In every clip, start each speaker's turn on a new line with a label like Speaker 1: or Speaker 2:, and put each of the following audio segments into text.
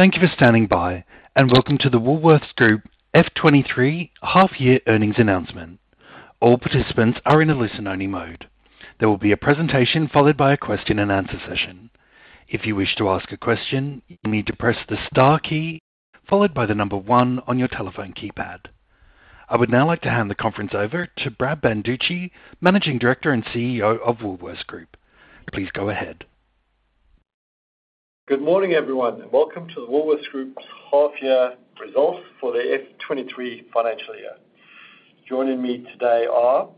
Speaker 1: Thank you for standing by, and welcome to the Woolworths Group F23 half-year earnings announcement. All participants are in a listen-only mode. There will be a presentation followed by a question and answer session. If you wish to ask a question, you'll need to press the Star key followed by the number One on your telephone keypad. I would now like to hand the conference over to Brad Banducci, Managing Director and CEO of Woolworths Group. Please go ahead.
Speaker 2: Good morning, everyone, welcome to the Woolworths Group's half-year results for the F23 financial year. Joining me today are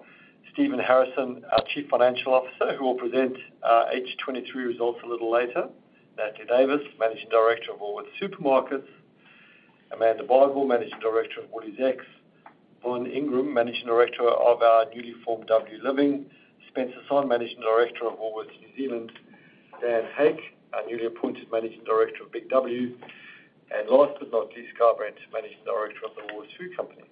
Speaker 2: Stephen Harrison, our Chief Financial Officer, who will present our H23 results a little later. Natalie Davis, Managing Director of Woolworths Supermarkets. Amanda Bardwell, Managing Director of WooliesX. Von Ingram, Managing Director of our newly formed W Living. Spencer Sonn, Managing Director of Woolworths New Zealand. Dan Hake, our newly appointed Managing Director of BIG W. Last but not least, Guy Brent, Managing Director of the Woolworths Food Company.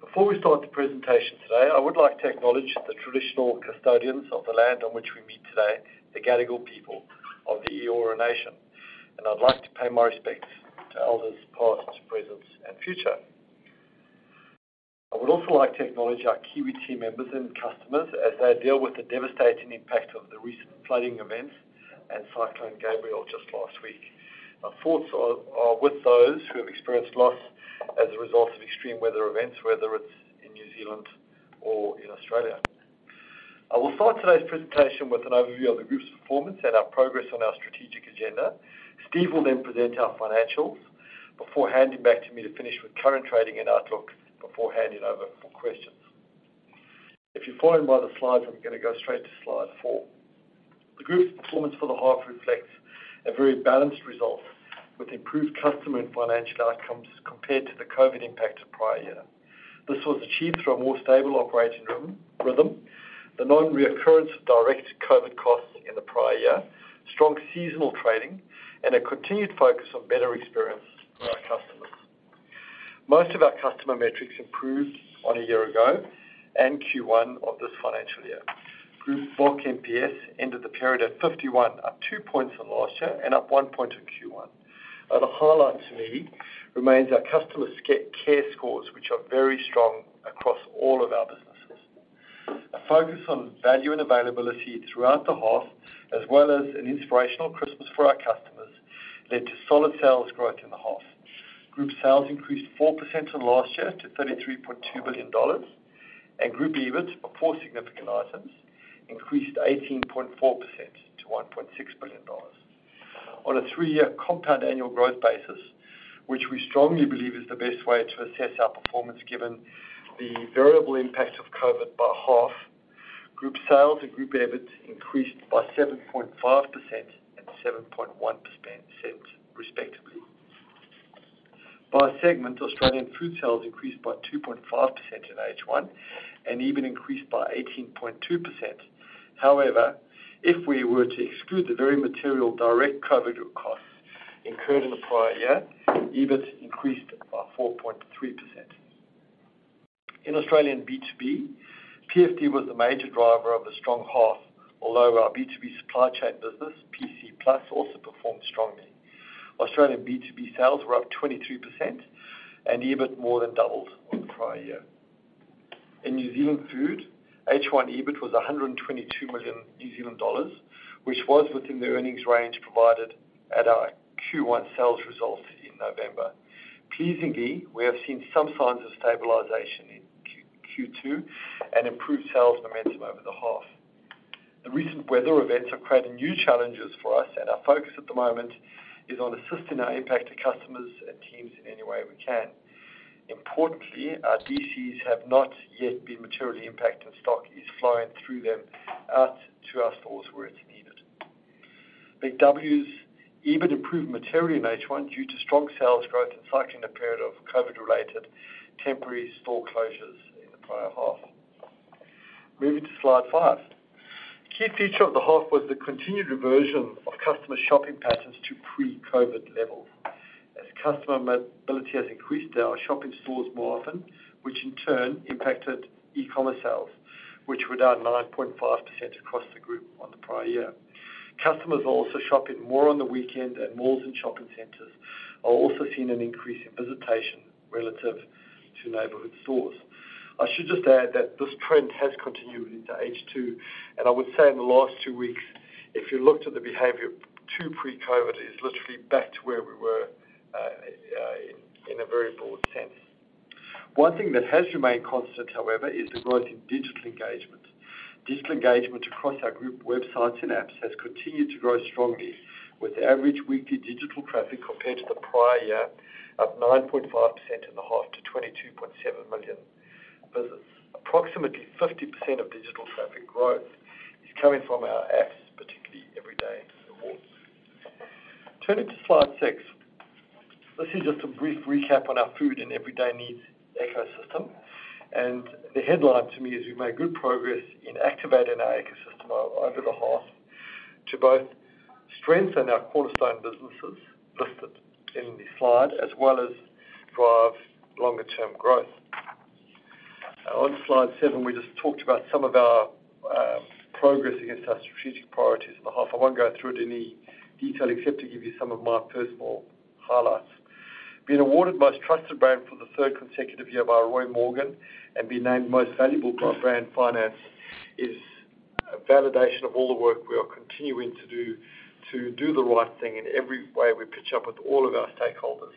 Speaker 2: Before we start the presentation today, I would like to acknowledge the traditional custodians of the land on which we meet today, the Gadigal people of the Eora Nation, and I'd like to pay my respects to elders, past, present, and future. I would also like to acknowledge our Kiwi team members and customers as they deal with the devastating impact of the recent flooding events and Cyclone Gabrielle just last week. Our thoughts are with those who have experienced loss as a result of extreme weather events, whether it's in New Zealand or in Australia. I will start today's presentation with an overview of the group's performance and our progress on our strategic agenda. Steve will present our financials before handing back to me to finish with current trading and outlook before handing over for questions. If you're following by the slides, I'm gonna go straight to slide four. The group's performance for the half reflects a very balanced result with improved customer and financial outcomes compared to the COVID impact of prior year. This was achieved through a more stable operating rhythm, the non-reoccurrence of direct COVID costs in the prior year, strong seasonal trading, and a continued focus on better experience for our customers. Most of our customer metrics improved on a year ago and Q1 of this financial year. Group VoC NPS ended the period at 51, up two points from last year and up one point in Q1. The highlight to me remains our customer care scores, which are very strong across all of our businesses. A focus on value and availability throughout the half, as well as an inspirational Christmas for our customers, led to solid sales growth in the half. Group sales increased 4% from last year to 33.2 billion dollars. Group EBIT, before significant items, increased 18.4% to 1.6 billion dollars. On a three-year compound annual growth basis, which we strongly believe is the best way to assess our performance given the variable impact of COVID by half, group sales and group EBIT increased by 7.5% and 7.1%, respectively. By segment, Australian food sales increased by 2.5% in H1 and EBIT increased by 18.2%. If we were to exclude the very material direct COVID costs incurred in the prior year, EBIT increased by 4.3%. In Australian B2B, PFD was the major driver of a strong half, although our B2B supply chain business, PC Plus, also performed strongly. Australian B2B sales were up 23% and EBIT more than doubled on the prior year. In New Zealand Food, H1 EBIT was 122 million New Zealand dollars, which was within the earnings range provided at our Q1 sales results in November. Pleasingly, we have seen some signs of stabilization in Q2 and improved sales momentum over the half. The recent weather events have created new challenges for us, and our focus at the moment is on assisting our impacted customers and teams in any way we can. Importantly, our DCs have not yet been materially impacted. Stock is flowing through them out to our stores where it is needed. BIG W's EBIT improved materially in H1 due to strong sales growth and cycling the period of COVID-related temporary store closures in the prior half. Moving to slide five. Key feature of the half was the continued reversion of customer shopping patterns to pre-COVID levels. As customer mobility has increased, they are shopping stores more often, which in turn impacted e-commerce sales, which were down 9.5% across the group on the prior year. Customers are also shopping more on the weekend at malls and shopping centers, are also seeing an increase in visitation relative to neighborhood stores. I should just add that this trend has continued into H2, and I would say in the last two weeks, if you looked at the behavior to pre-COVID is literally back to where we were, in a very broad sense. One thing that has remained constant, however, is the growth in digital engagement. Digital engagement across our group websites and apps has continued to grow strongly with average weekly digital traffic compared to the prior year, up 9.5% in the half to 22.7 million visits. Approximately 50% of digital traffic growth is coming from our apps, particularly Everyday Rewards. Turning to slide six. This is just a brief recap on our food and everyday needs ecosystem. The headline to me is we've made good progress in activating our ecosystem over the half to both strengthen our cornerstone businesses listed in the slide as well as drive longer-term growth. On slide seven, we just talked about some of our progress against our strategic priorities in the half. I won't go through it in any detail, except to give you some of my personal highlights. Being awarded Most Trusted Brand for the third consecutive year by Roy Morgan and being named Most Valuable Brand Finance is a validation of all the work we are continuing to do to do the right thing in every way we pitch up with all of our stakeholders.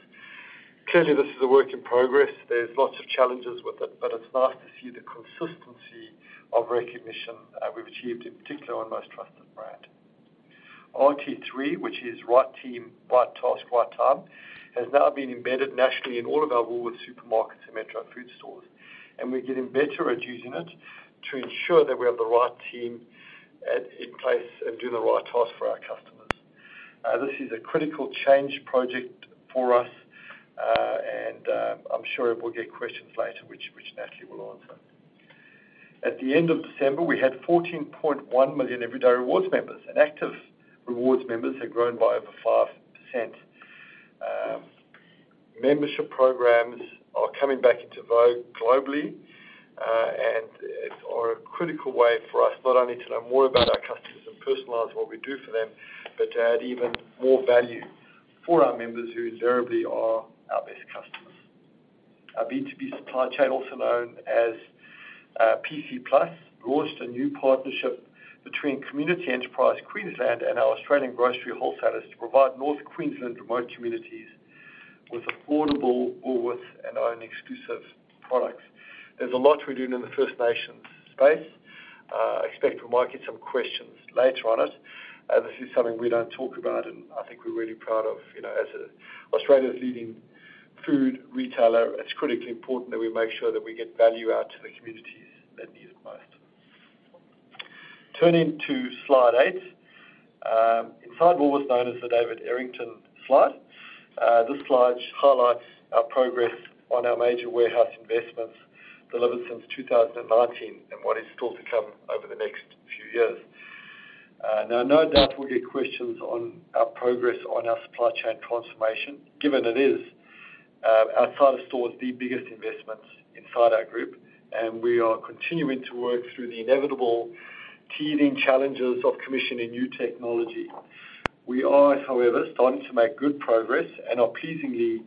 Speaker 2: Clearly, this is a work in progress. There's lots of challenges with it, but it's nice to see the consistency of recognition we've achieved, in particular, on Most Trusted Brand. RT3, which is Right Team, Right Task, Right Time, has now been embedded nationally in all of our Woolworths Supermarkets and Metro food stores. We're getting better at using it to ensure that we have the right team in place and doing the right task for our customers. This is a critical change project for us, and I'm sure it will get questions later, which Natalie will answer. At the end of December, we had 14.1 million Everyday Rewards members, and active Rewards members have grown by over 5%. Membership programs are coming back into vogue globally, are a critical way for us not only to learn more about our customers and personalize what we do for them, but to add even more value for our members who invariably are our best customers. Our B2B supply chain, also known as PC+, launched a new partnership between Community Enterprise Queensland and our Australian Grocery Wholesalers to provide North Queensland remote communities with affordable Woolworths and own exclusive products. There's a lot we're doing in the First Nations space. I expect we might get some questions later on it. This is something we don't talk about, I think we're really proud of, you know, as a Australian leading food retailer, it's critically important that we make sure that we get value out to the communities that need it most. Turning to slide eight. Inside what was known as the David Errington slide. This slide highlights our progress on our major warehouse investments delivered since 2019 and what is still to come over the next few years. Now, no doubt we'll get questions on our progress on our supply chain transformation, given it is outside of stores, the biggest investments inside our group, and we are continuing to work through the inevitable teething challenges of commissioning new technology. We are, however, starting to make good progress and are pleasingly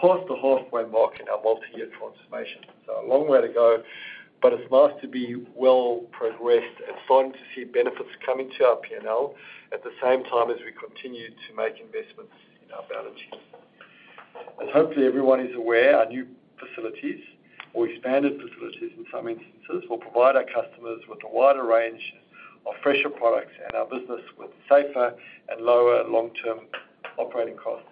Speaker 2: past the halfway mark in our multi-year transformation. A long way to go, but it's nice to be well-progressed and starting to see benefits coming to our P&L at the same time as we continue to make investments in our balance sheet. As hopefully everyone is aware, our new facilities or expanded facilities, in some instances, will provide our customers with a wider range of fresher products and our business with safer and lower long-term operating costs.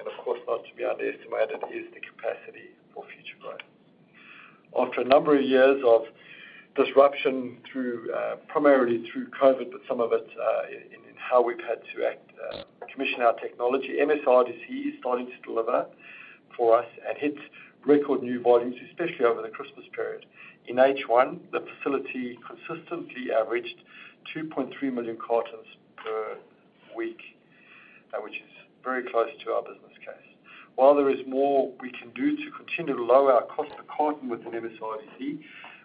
Speaker 2: Of course, not to be underestimated is the capacity for future growth. After a number of years of disruption through primarily through COVID, but some of it in how we've had to act, commission our technology, MSRDC is starting to deliver for us and hit record new volumes, especially over the Christmas period. In H1, the facility consistently averaged 2.3 million cartons per week, which is very close to our business case. While there is more we can do to continue to lower our cost per carton within MSRDC,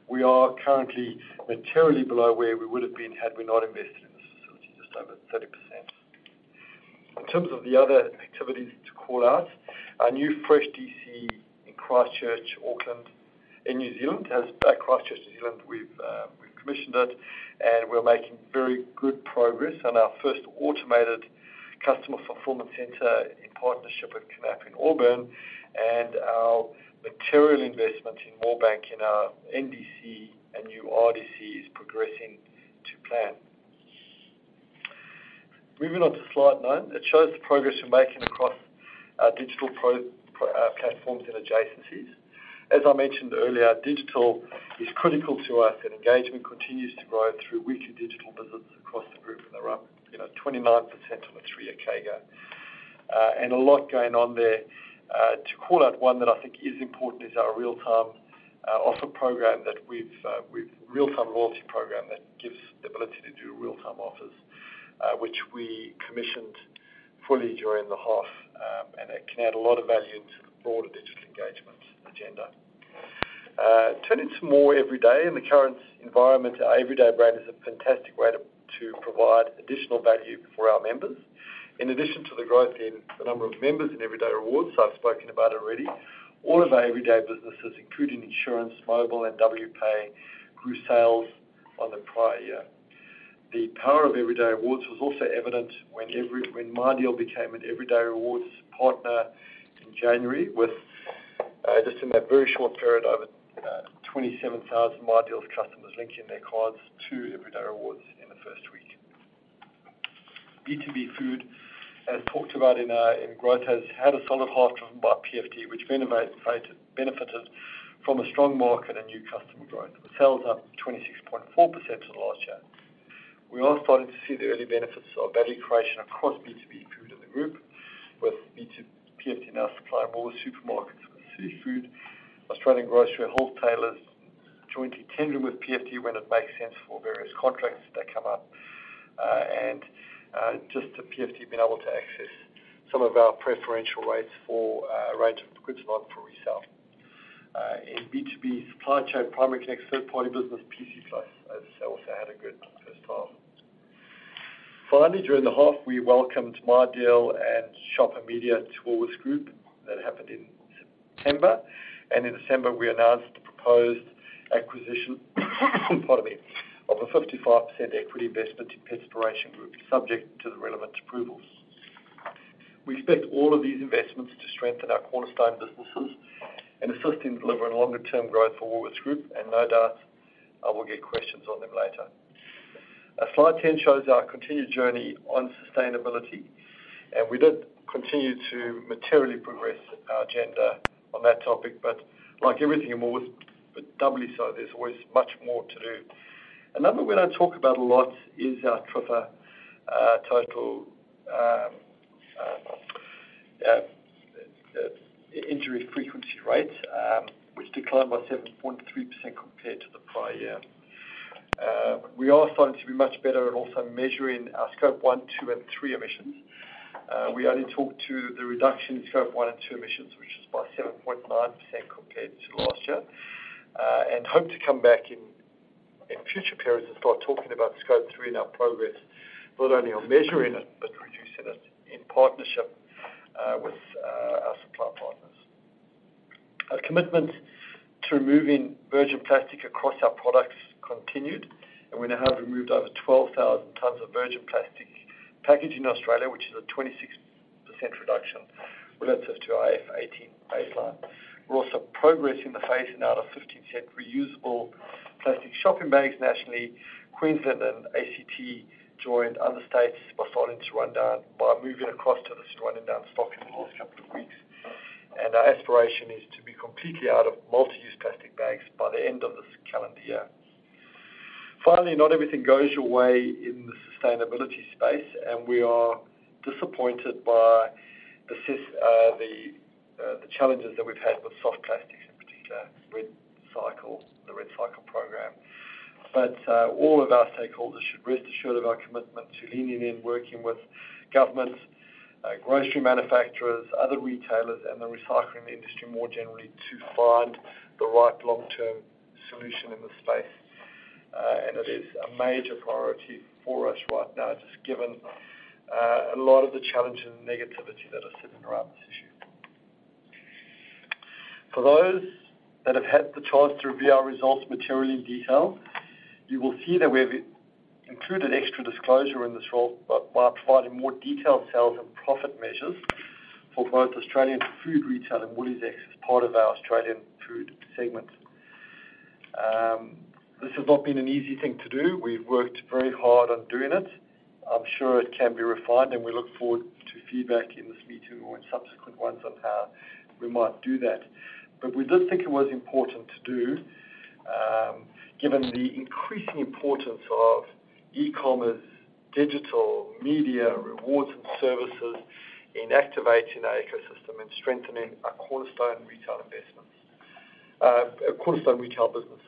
Speaker 2: we are currently materially below where we would have been had we not invested in this facility, just over 30%. In terms of the other activities to call out, our new fresh DC in Christchurch, New Zealand, we've commissioned it and we're making very good progress on our first automated customer fulfillment center in partnership with KNAPP in Auburn and our material investment in Moorebank in our NDC and new RDC is progressing to plan. Moving on to slide nine. It shows the progress we're making across our digital platforms and adjacencies. As I mentioned earlier, our digital is critical to us, and engagement continues to grow through weekly digital visits across the group. They're up, you know, 29% on a 3three-year CAGR. A lot going on there. To call out one that I think is important is our real-time loyalty program that gives the ability to do real-time offers, which we commissioned fully during the half, it can add a lot of value into the broader digital engagement agenda. Turning to more Everyday. In the current environment, our Everyday brand is a fantastic way to provide additional value for our members. In addition to the growth in the number of members in Everyday Rewards, I've spoken about already, all of our Everyday businesses, including insurance, mobile, and Wpay, grew sales on the prior year. The power of Everyday Rewards was also evident when MyDeal became an Everyday Rewards partner in January with just in that very short period, over 27,000 MyDeal customers linking their cards to Everyday Rewards in the first week. B2B food, as talked about in growth, has had a solid half driven by PFD, which benefited from a strong market and new customer growth. Sales up 26.4% on last year. We are starting to see the early benefits of value creation across B2B food in the group with PFD now supplying all the supermarkets with seafood. Australian Grocery Wholesalers jointly tendering with PFD when it makes sense for various contracts that come up. Just to PFD being able to access some of our preferential rates for range of goods bought for resale. In B2B supply chain, Primary Connect third-party business, PC Plus has also had a good first half. Finally, during the half, we welcomed MyDeal and Shopper Media to Woolworths Group. That happened in September. In December, we announced the proposed acquisition pardon me, of a 55% equity investment in Petspiration Group, subject to the relevant approvals. We expect all of these investments to strengthen our cornerstone businesses and assist in delivering longer-term growth for Woolworths Group. No doubt, I will get questions on them later. Slide 10 shows our continued journey on sustainability, and we did continue to materially progress our agenda on that topic. Like everything in Woolworths, but doubly so, there's always much more to do. Another one I talk about a lot is our total injury frequency rates, which declined by 7.3% compared to the prior year. We are starting to be much better at also measuring our scope 1, 2, and 3 emissions. We only talked to the reduction in scope 1 and 2 emissions, which is by 7.9% compared to last year. Hope to come back in future periods and start talking about scope 3 in our progress, not only on measuring it, but reducing it in partnership with our supply partners. Our commitment to removing virgin plastic across our products continued, and we now have removed over 12,000 tons of virgin plastic packaging in Australia, which is a 26% reduction relative to our F18 baseline. We're also progressing the phasing out of $0.15 reusable plastic shopping bags nationally. Queensland and ACT joined other states by starting to run down by moving across to this running down stock in the last couple of weeks. Our aspiration is to be completely out of multi-use plastic bags by the end of this calendar year. Finally, not everything goes your way in the sustainability space. We are disappointed by the challenges that we've had with soft plastics, in particular, REDcycle, the REDcycle program. All of our stakeholders should rest assured of our commitment to leaning in, working with governments, grocery manufacturers, other retailers, and the recycling industry more generally to find the right long-term solution in this space. It is a major priority for us right now, just given a lot of the challenges and negativity that are sitting around this issue. For those that have had the chance to review our results material in detail, you will see that we've included extra disclosure in this role by providing more detailed sales and profit measures for both Australian Food Retail and WooliesX as part of our Australian food segment. This has not been an easy thing to do. We've worked very hard on doing it. I'm sure it can be refined, and we look forward to feedback in this meeting or in subsequent ones on how we might do that. We did think it was important to do, given the increasing importance of e-commerce, digital, media, rewards, and services in activating our ecosystem and strengthening our cornerstone retail investments, cornerstone retail businesses.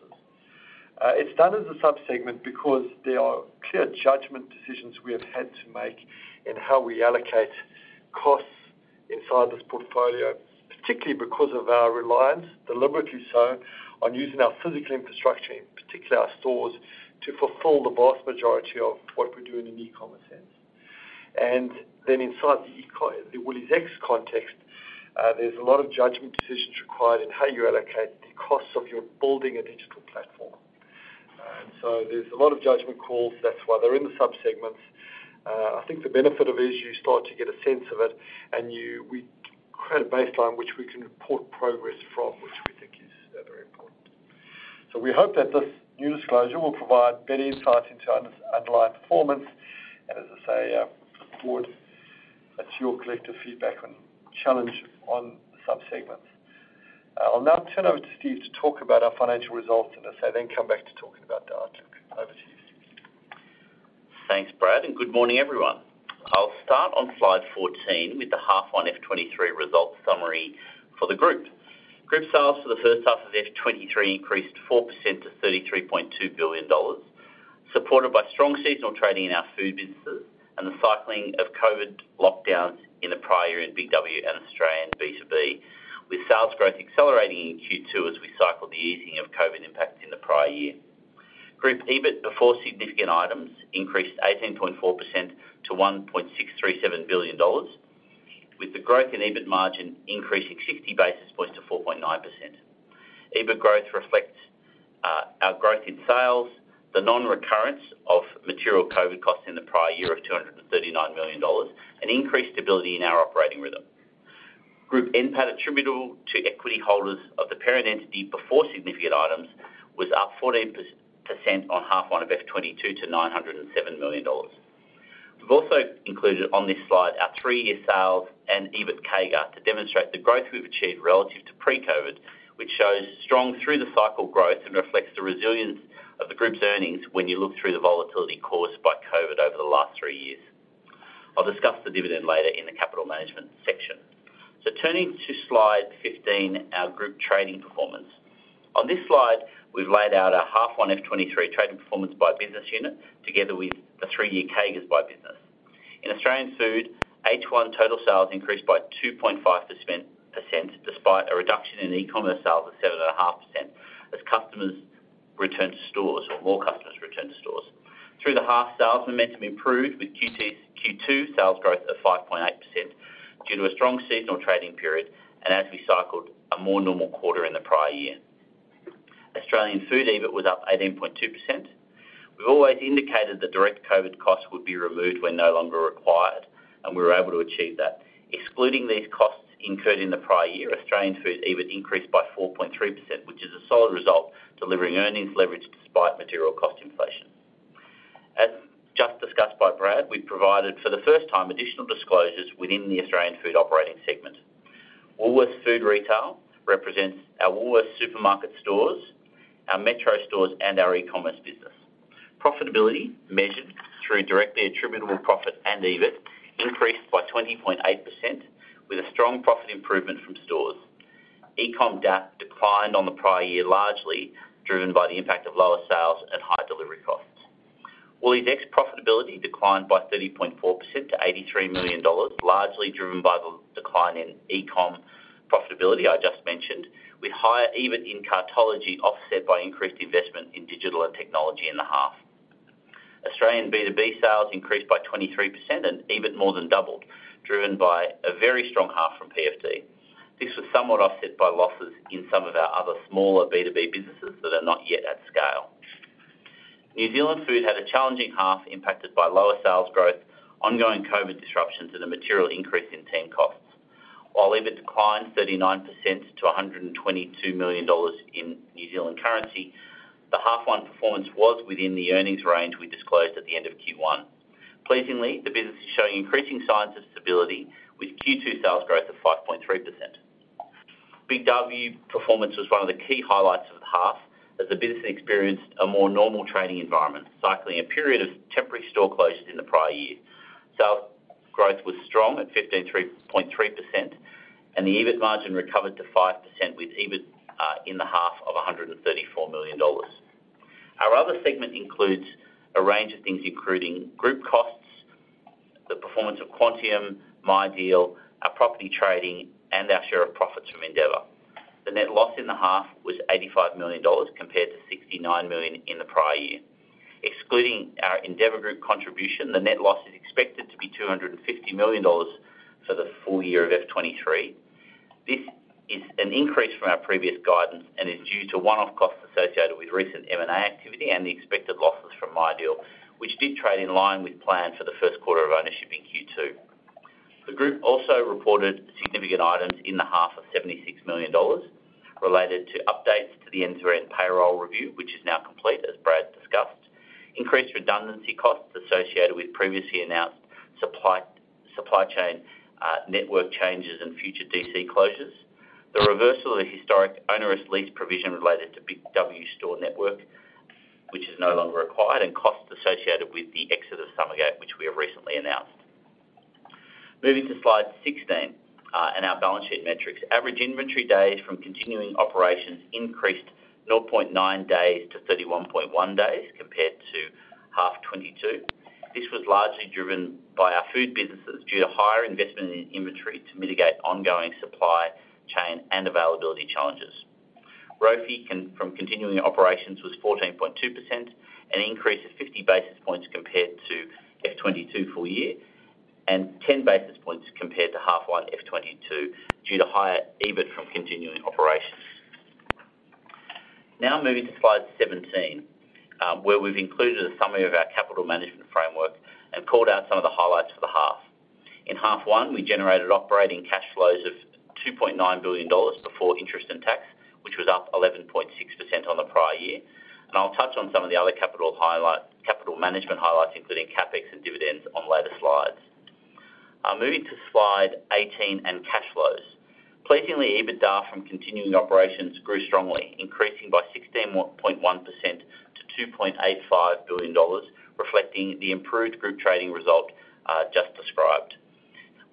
Speaker 2: It's done as a sub-segment because there are clear judgment decisions we have had to make in how we allocate costs inside this portfolio, particularly because of our reliance, deliberately so, on using our physical infrastructure, in particular our stores, to fulfill the vast majority of what we do in an e-commerce sense. Inside the WooliesX context, there's a lot of judgment decisions required in how you allocate the costs of your building a digital platform. There's a lot of judgment calls. That's why they're in the sub-segments. I think the benefit of it is you start to get a sense of it, and we create a baseline which we can report progress from, which we think is very important. We hope that this new disclosure will provide better insight into underlying performance. As I say, board, let's your collective feedback on challenge on sub-segments. I'll now turn over to Steve to talk about our financial results. As I say, then come back to talking about the outlook. Over to you, Steve.
Speaker 3: Thanks, Brad. Good morning, everyone. I'll start on slide 14 with the half one F23 results summary for the group. Group sales for the first half of F23 increased 4% to 33.2 billion dollars, supported by strong seasonal trading in our food businesses and the cycling of COVID lockdowns in the prior year in BIG W and Australian B2B, with sales growth accelerating in Q2 as we cycle the easing of COVID impacts in the prior year. Group EBIT before significant items increased 18.4% to 1.637 billion dollars, with the growth in EBIT margin increasing 60 basis points to 4.9%. EBIT growth reflects our growth in sales, the non-recurrence of material COVID costs in the prior year of 239 million dollars, and increased stability in our operating rhythm. Group NPAT attributable to equity holders of the parent entity before significant items was up 14% on half one of F22 to $907 million. We've also included on this slide our three-year sales and EBIT CAGR to demonstrate the growth we've achieved relative to pre-COVID, which shows strong through the cycle growth and reflects the resilience of the group's earnings when you look through the volatility caused by COVID over the last three years. I'll discuss the dividend later in the capital management section. Turning to slide 15, our group trading performance. On this slide, we've laid out our half one F23 trading performance by business unit together with the three-year CAGRs by business. In Australian Food, H1 total sales increased by 2.5% despite a reduction in e-commerce sales of 7.5% as customers returned to stores or more customers returned to stores. Through the half sales momentum improved with Q2 sales growth of 5.8% due to a strong seasonal trading period and as we cycled a more normal quarter in the prior year. Australian Food EBIT was up 18.2%. We've always indicated the direct COVID costs would be removed when no longer required, and we were able to achieve that. Excluding these costs incurred in the prior year, Australian Food EBIT increased by 4.3%, which is a solid result, delivering earnings leverage despite material cost inflation. As just discussed by Brad, we've provided for the first time additional disclosures within the Australian Food operating segment. Woolworths Food Retail represents our Woolworths supermarket stores, our Metro stores, and our e-commerce business. Profitability measured through directly attributable profit and EBIT increased by 20.8% with a strong profit improvement from stores. E-com DAP declined on the prior year, largely driven by the impact of lower sales and high delivery costs. WooliesX profitability declined by 30.4% to 83 million dollars, largely driven by the decline in e-com profitability I just mentioned, with higher EBIT in Cartology offset by increased investment in digital and technology in the half. Australian B2B sales increased by 23% and EBIT more than doubled, driven by a very strong half from PFD. This was somewhat offset by losses in some of our other smaller B2B businesses that are not yet at scale. New Zealand Food had a challenging half, impacted by lower sales growth, ongoing COVID disruptions, and a material increase in team costs. While EBIT declined 39% to 122 million dollars, the half one performance was within the earnings range we disclosed at the end of Q one. Pleasingly, the business is showing increasing signs of stability with Q two sales growth of 5.3%. Big W performance was one of the key highlights of the half as the business experienced a more normal trading environment, cycling a period of temporary store closures in the prior year. Sales growth was strong at 15.3% and the EBIT margin recovered to 5% with EBIT in the half of $134 million. Our other segment includes a range of things including group costs, the performance of Quantium, MyDeal, our property trading, and our share of profits from Endeavour. The net loss in the half was 85 million dollars compared to 69 million in the prior year. Excluding our Endeavour Group contribution, the net loss is expected to be 250 million dollars for the full-year of F23. This is an increase from our previous guidance and is due to one-off costs associated with recent M&A activity and the expected losses from MyDeal, which did trade in line with plan for the first quarter of ownership in Q2. The group also reported significant items in the half of 76 million dollars related to updates to the end-to-end payroll review, which is now complete, as Brad discussed. Increased redundancy costs associated with previously announced supply chain network changes and future DC closures. The reversal of the historic onerous lease provision related to BIG W store network, which is no longer required and costs associated with the exit of Summergate, which we have recently announced. Moving to slide 16, and our balance sheet metrics. Average inventory days from continuing operations increased 0.9 days to 31.1 days compared to H22. This was largely driven by our food businesses due to higher investment in inventory to mitigate ongoing supply chain and availability challenges. ROFI from continuing operations was 14.2%, an increase of 50 basis points compared to FY22 full-year and 10 basis points compared to H1 FY22 due to higher EBIT from continuing operations. Now moving to slide 17, where we've included a summary of our capital management framework and called out some of the highlights for the half. In half one, we generated operating cash flows of 2.9 billion dollars before interest and tax, which was up 11.6% on the prior year. I'll touch on some of the other capital management highlights, including CapEx and dividends on later slides. Moving to slide 18 and cash flows. Pleasingly, EBITDA from continuing operations grew strongly, increasing by 16.1% to 2.85 billion dollars, reflecting the improved group trading result just described.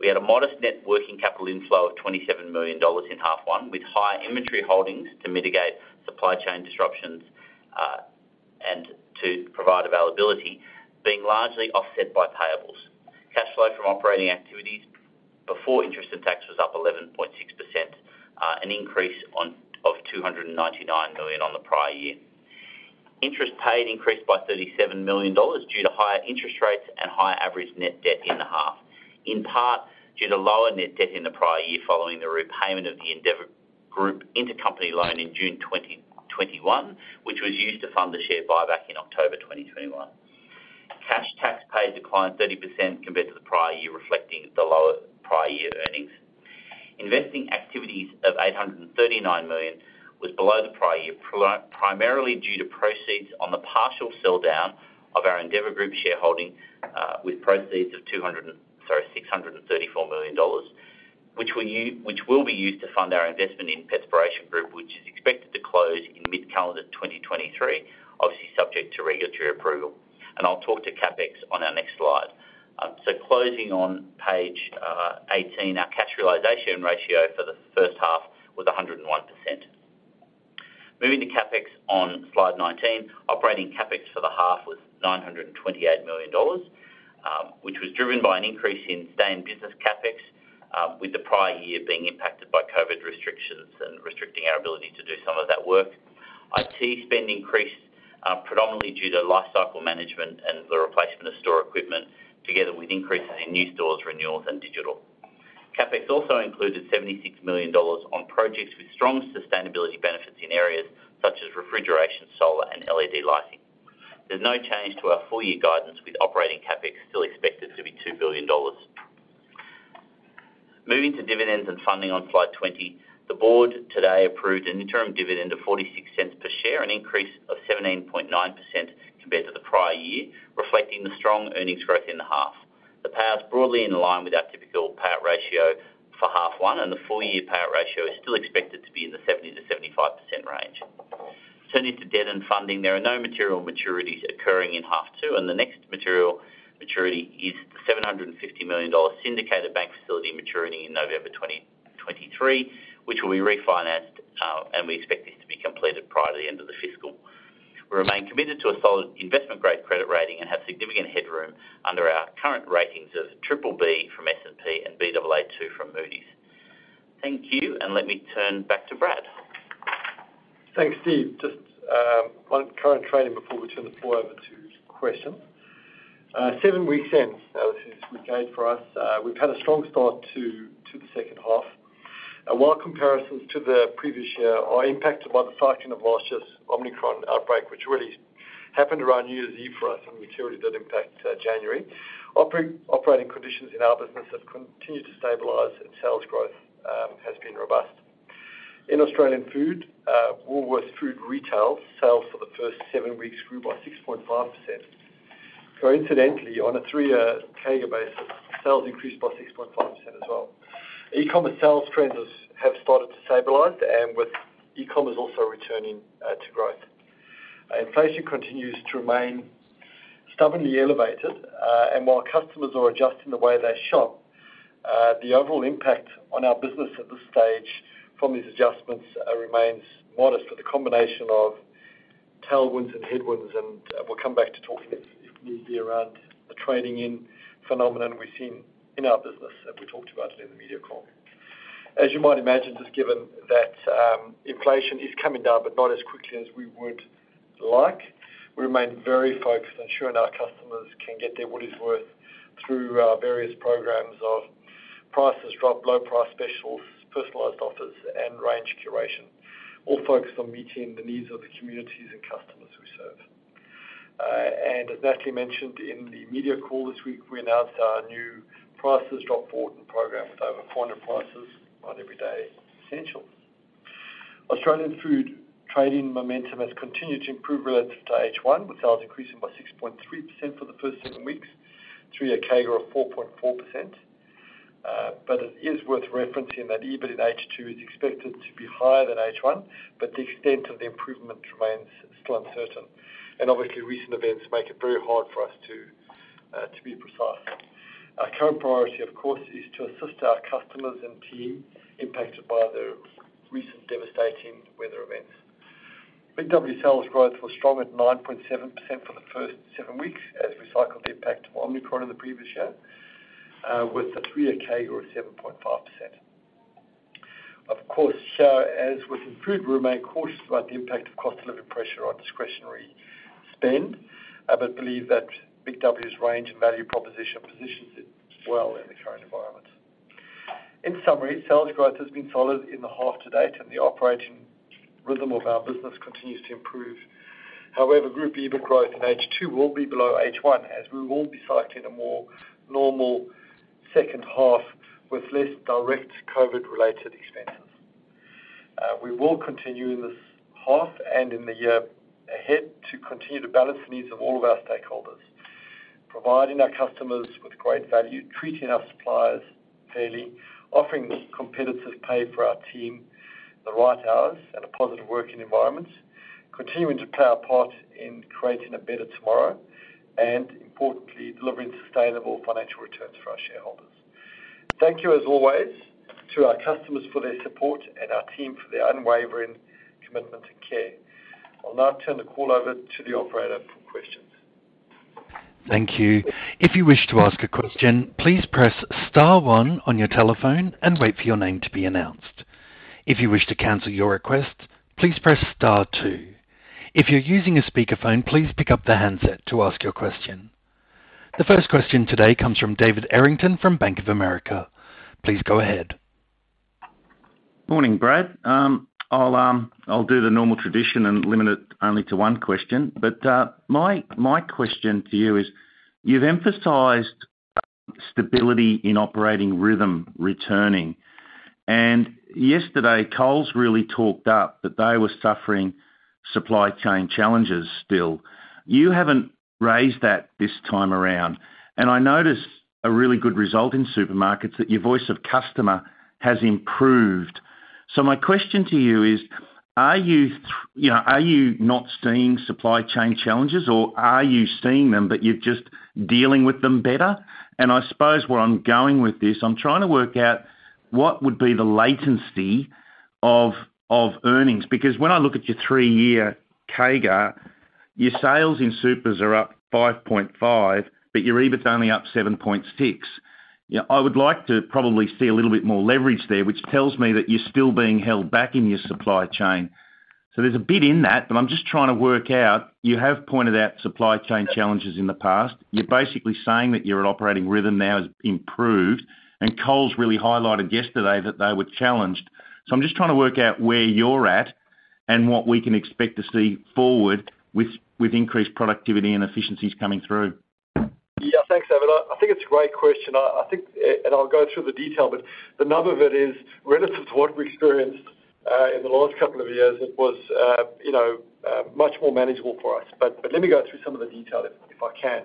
Speaker 3: We had a modest net working capital inflow of 27 million dollars in half one, with higher inventory holdings to mitigate supply chain disruptions and to provide availability, being largely offset by payables. Cash flow from operating activities before interest and tax was up 11.6%, an increase of 299 million on the prior year. Interest paid increased by 37 million dollars due to higher interest rates and higher average net debt in the half, in part due to lower net debt in the prior year following the repayment of the Endeavour Group intercompany loan in June 2021, which was used to fund the share buyback in October 2021. Cash tax paid declined 30% compared to the prior year, reflecting the lower prior year earnings. Investing activities of 839 million was below the prior year, primarily due to proceeds on the partial sell-down of our Endeavour Group shareholding, with proceeds of 200 and... Sorry, $634 million, which will be used to fund our investment in Petspiration Group, which is expected to close in mid-calendar 2023. To regulatory approval, I'll talk to CapEx on our next slide. Closing on page 18, our cash realization ratio for the first half was 101%. Moving to CapEx on slide 19. Operating CapEx for the half was $928 million, which was driven by an increase in same business CapEx, with the prior year being impacted by COVID restrictions and restricting our ability to do some of that work. IT spend increased predominantly due to lifecycle management and the replacement of store equipment together with increases in new stores, renewals and digital. CapEx also included $76 million on projects with strong sustainability benefits in areas such as refrigeration, solar and LED lighting. There's no change to our full-year guidance, with operating CapEx still expected to be $2 billion. Moving to dividends and funding on slide 20. The board today approved an interim dividend of $0.46 per share, an increase of 17.9% compared to the prior year, reflecting the strong earnings growth in the half. The payout is broadly in line with our typical payout ratio for half one, and the full-year payout ratio is still expected to be in the 70%-75% range. Turning to debt and funding, there are no material maturities occurring in half two. The next material maturity is the 750 million dollar syndicated bank facility maturity in November 2023, which will be refinanced. We expect this to be completed prior to the end of the fiscal. We remain committed to a solid investment-grade credit rating and have significant headroom under our current ratings of BBB from S&P and Baa2 from Moody's. Thank you. Let me turn back to Brad.
Speaker 2: Thanks, Steve. Just one current trading before we turn the floor over to questions. Seven weeks in, as we gauge for us, we've had a strong start to the second half. While comparisons to the previous year are impacted by the cycling of last year's Omicron outbreak, which really happened around New Year's Eve for us and materially did impact January. Operating conditions in our business have continued to stabilize and sales growth has been robust. In Australian Food, Woolworths Food retail sales for the first seven weeks grew by 6.5%. Coincidentally, on a three-year CAGR basis, sales increased by 6.5% as well. E-commerce sales trends have started to stabilize and with e-commerce also returning to growth. Inflation continues to remain stubbornly elevated, and while customers are adjusting the way they shop, the overall impact on our business at this stage from these adjustments, remains modest with a combination of tailwinds and headwinds, and we'll come back to talking if needed around the trading-in phenomenon we've seen in our business that we talked about in the media call. As you might imagine, just given that inflation is coming down, but not as quickly as we would like, we remain very focused on ensuring our customers can get their money's worth through our various programs of Prices Drop, low price specials, personalized offers, and range curation, all focused on meeting the needs of the communities and customers we serve. As Natalie mentioned in the media call this week, we announced our new prices drop board and program with over 400 prices on everyday essentials. Australian Food trading momentum has continued to improve relative to H1, with sales increasing by 6.3% for the first seven weeks, three a CAGR of 4.4%. It is worth referencing that EBIT in H2 is expected to be higher than H1, but the extent of the improvement remains still uncertain. Obviously recent events make it very hard for us to be precise. Our current priority, of course, is to assist our customers and team impacted by the recent devastating weather events. Big W sales growth was strong at 9.7% for the first seven weeks as we cycled the impact of Omicron in the previous year, with the three a CAGR of 7.5%. Of course, as with Food, we remain cautious about the impact of cost living pressure on discretionary spend, but believe that Big W's range and value proposition positions it well in the current environment. In summary, sales growth has been solid in the half to date, and the operating rhythm of our business continues to improve. Group EBIT growth in H2 will be below H1 as we will be cycling a more normal second half with less direct COVID-related expenses. We will continue in this half and in the year ahead to continue to balance the needs of all of our stakeholders, providing our customers with great value, treating our suppliers fairly, offering competitive pay for our team, the right hours and a positive working environment, continuing to play our part in creating a better tomorrow, and importantly, delivering sustainable financial returns for our shareholders. Thank you as always to our customers for their support and our team for their unwavering commitment and care. I'll now turn the call over to the operator for questions.
Speaker 1: Thank you. If you wish to ask a question, please press star one on your telephone and wait for your name to be announced. If you wish to cancel your request, please press star two. If you're using a speakerphone, please pick up the handset to ask your question. The first question today comes from David Errington from Bank of America. Please go ahead.
Speaker 4: Morning, Brad. I'll do the normal tradition and limit it only to one question. My question to you is, you've emphasized stability in operating rhythm returning. And yesterday, Coles really talked up that they were suffering supply chain challenges still. You haven't raised that this time around. I noticed a really good result in supermarkets that your voice of customer has improved. My question to you is, are you know, are you not seeing supply chain challenges, or are you seeing them, but you're just dealing with them better? I suppose where I'm going with this, I'm trying to work out what would be the latency of earnings. When I look at your three-year CAGR, your sales in supers are up 5.5%, but your EBIT's only up 7.6%. You know, I would like to probably see a little bit more leverage there, which tells me that you're still being held back in your supply chain. There's a bit in that, but I'm just trying to work out, you have pointed out supply chain challenges in the past. You're basically saying that your operating rhythm now has improved, and Coles really highlighted yesterday that they were challenged. I'm just trying to work out where you're at and what we can expect to see forward with increased productivity and efficiencies coming through.
Speaker 2: Yeah. Thanks, David. I think it's a great question. I think I'll go through the detail, but the nub of it is relative to what we experienced in the last couple of years, it was, you know, much more manageable for us. Let me go through some of the detail, if I can.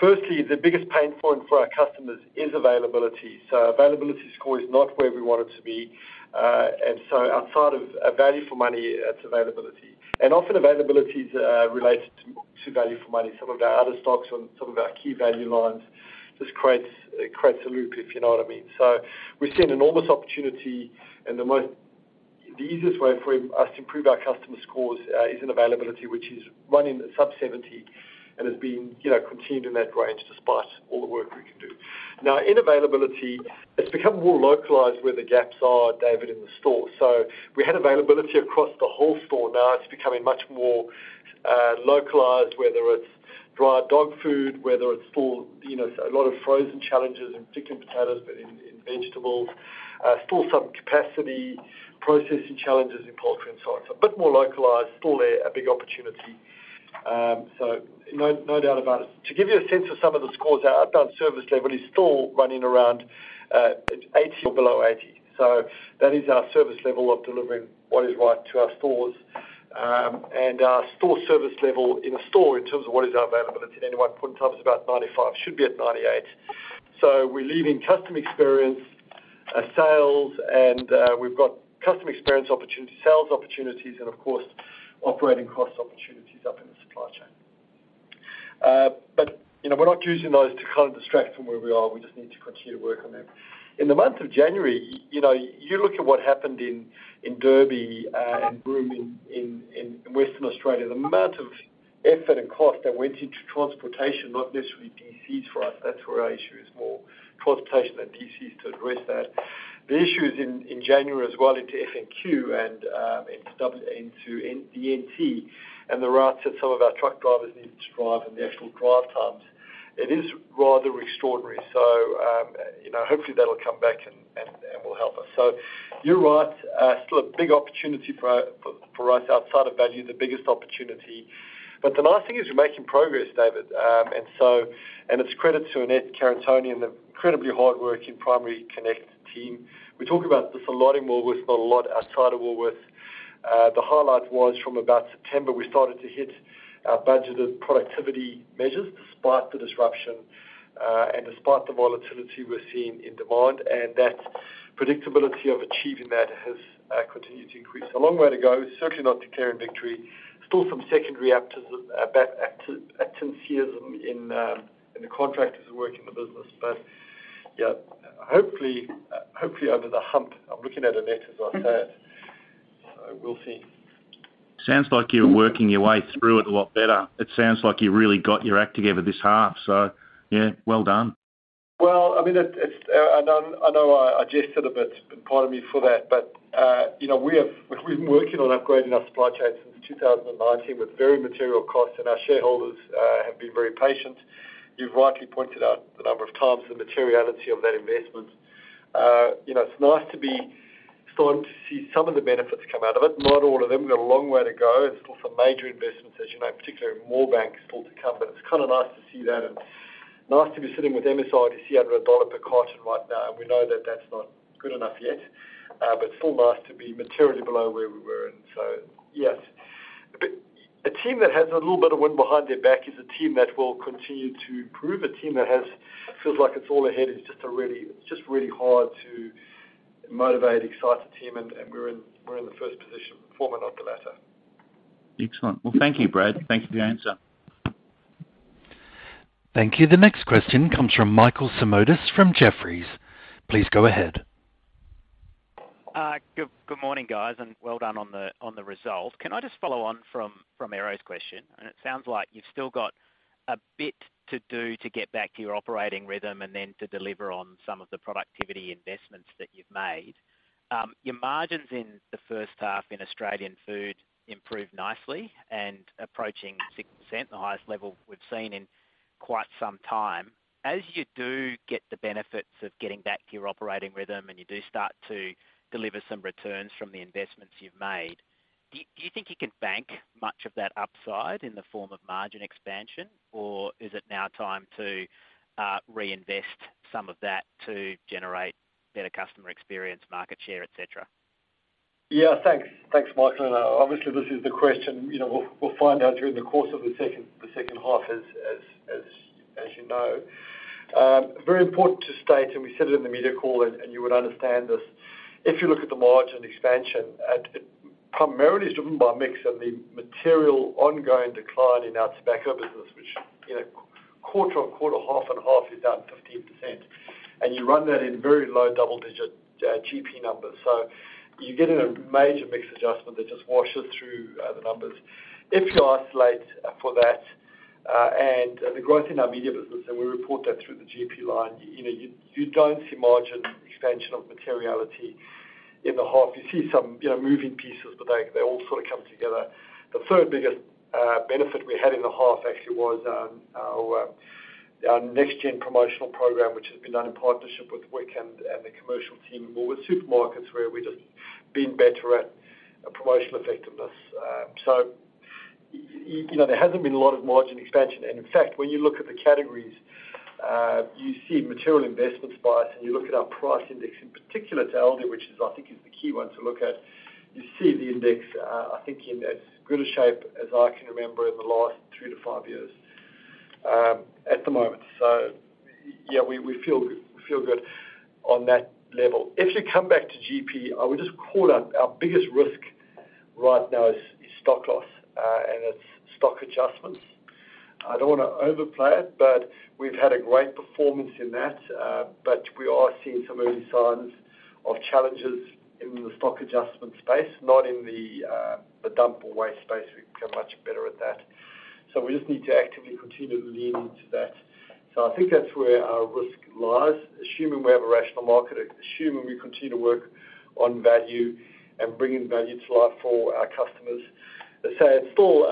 Speaker 2: Firstly, the biggest pain point for our customers is availability. Availability score is not where we want it to be. Outside of value for money, it's availability. Often availability is related to value for money. Some of our other stocks on some of our key value lines just creates a loop, if you know what I mean. We've seen enormous opportunity, and the most... The easiest way for us to improve our customer scores is in availability, which is running at sub 70 and has been, you know, continued in that range despite all the work we can do. In availability, it's become more localized where the gaps are, David, in the store. We had availability across the whole store. It's becoming much more localized, whether it's dry dog food, whether it's full, you know, a lot of frozen challenges in particular in potatoes, but in vegetables. Still some capacity processing challenges in poultry and so on. A bit more localized. Still a big opportunity. No doubt about it. To give you a sense of some of the scores, our up-down service level is still running around 80 or below 80. That is our service level of delivering what is right to our stores. Our store service level in a store in terms of what is our availability at any one point in time is about 95. Should be at 98. We're leading customer experience, sales, and we've got customer experience opportunity, sales opportunities and of course, operating cost opportunities up in the supply chain. You know, we're not using those to kind of distract from where we are. We just need to continue to work on that. In the month of January, you know, you look at what happened in Derby, and Broome in, in Western Australia, the amount of effort and cost that went into transportation, not necessarily DCs for us, that's where our issue is more transportation than DCs to address that. The issue is in January as well into FNQ and into N-NT and the routes that some of our truck drivers needed to drive and the actual drive times. It is rather extraordinary. You know, hopefully that'll come back and will help us. You're right. Still a big opportunity for us outside of value, the biggest opportunity. The nice thing is we're making progress, David Errington. It's credit to Annette Karantoni and the incredibly hardworking Primary Connect team. We talk about this a lot in Woolworths, but a lot outside of Woolworths. The highlight was from about September, we started to hit our budgeted productivity measures despite the disruption and despite the volatility we're seeing in demand. That predictability of achieving that has continued to increase. A long way to go. Certainly not declaring victory. Still some secondary absenteeism in the contractors that work in the business. Yeah, hopefully over the hump. I'm looking at Annette as I say it. We'll see.
Speaker 4: Sounds like you're working your way through it a lot better. It sounds like you really got your act together this half. Yeah, well done.
Speaker 2: Well, I mean, it's... I know, I know I jest a little bit. Pardon me for that. You know, we've been working on upgrading our supply chain since 2019 with very material costs, and our shareholders have been very patient. You've rightly pointed out the number of times the materiality of that investment. You know, it's nice to be starting to see some of the benefits come out of it, not all of them. We've got a long way to go. There's still some major investments, as you know, particularly in Moorebank, still to come. It's kind of nice to see that and nice to be sitting with MSI to see under AUD 1 per carton right now, and we know that that's not good enough yet. Still nice to be materially below where we were. Yes. A team that has a little bit of wind behind their back is a team that will continue to improve. A team that feels like it's all ahead is just really hard to motivate, excite the team and we're in the first position, the former not the latter.
Speaker 4: Excellent. Thank you, Brad. Thank you for your answer.
Speaker 1: Thank you. The next question comes from Michael Simotas from Jefferies. Please go ahead.
Speaker 5: Good morning, guys, and well done on the results. Can I just follow on from Errington's question? It sounds like you've still got a bit to do to get back to your operating rhythm and then to deliver on some of the productivity investments that you've made. Your margins in the first half in Australian food improved nicely and approaching 6%, the highest level we've seen in quite some time. As you do get the benefits of getting back to your operating rhythm and you do start to deliver some returns from the investments you've made. Do you think you can bank much of that upside in the form of margin expansion, or is it now time to reinvest some of that to generate better customer experience, market share, et cetera?
Speaker 2: Yeah. Thanks. Thanks, Michael. Obviously, this is the question, you know, we'll find out during the course of the second, the second half as you know. Very important to state, we said it in the media call and you would understand this. If you look at the margin expansion primarily is driven by mix and the material ongoing decline in our tobacco business, which, you know, quarter-on-quarter, half and half is down 15%. You run that in very low double-digit GP numbers. You're getting a major mix adjustment that just washes through the numbers. If you isolate for that, and the growth in our media business, we report that through the GP line, you know, you don't see margin expansion of materiality in the half. You see some, you know, moving pieces, but they all sort of come together. The third biggest benefit we had in the half actually was our next gen promotional program, which has been done in partnership with WooliesX and the commercial team or with supermarkets where we've just been better at promotional effectiveness. You know, there hasn't been a lot of margin expansion. In fact, when you look at the categories, you see material investment spikes, and you look at our price index, in particular to Aldi, which is, I think, is the key one to look at. You see the index, I think in as good a shape as I can remember in the last 3-5 years at the moment. Yeah, we feel good on that level. If you come back to GP, I would just call out our biggest risk right now is stock loss, and it's stock adjustments. I don't wanna overplay it, but we've had a great performance in that. We are seeing some early signs of challenges in the stock adjustment space, not in the dump or waste space. We've become much better at that. We just need to actively continue to lean into that. I think that's where our risk lies, assuming we have a rational market, assuming we continue to work on value and bringing value to life for our customers. Let's say it's still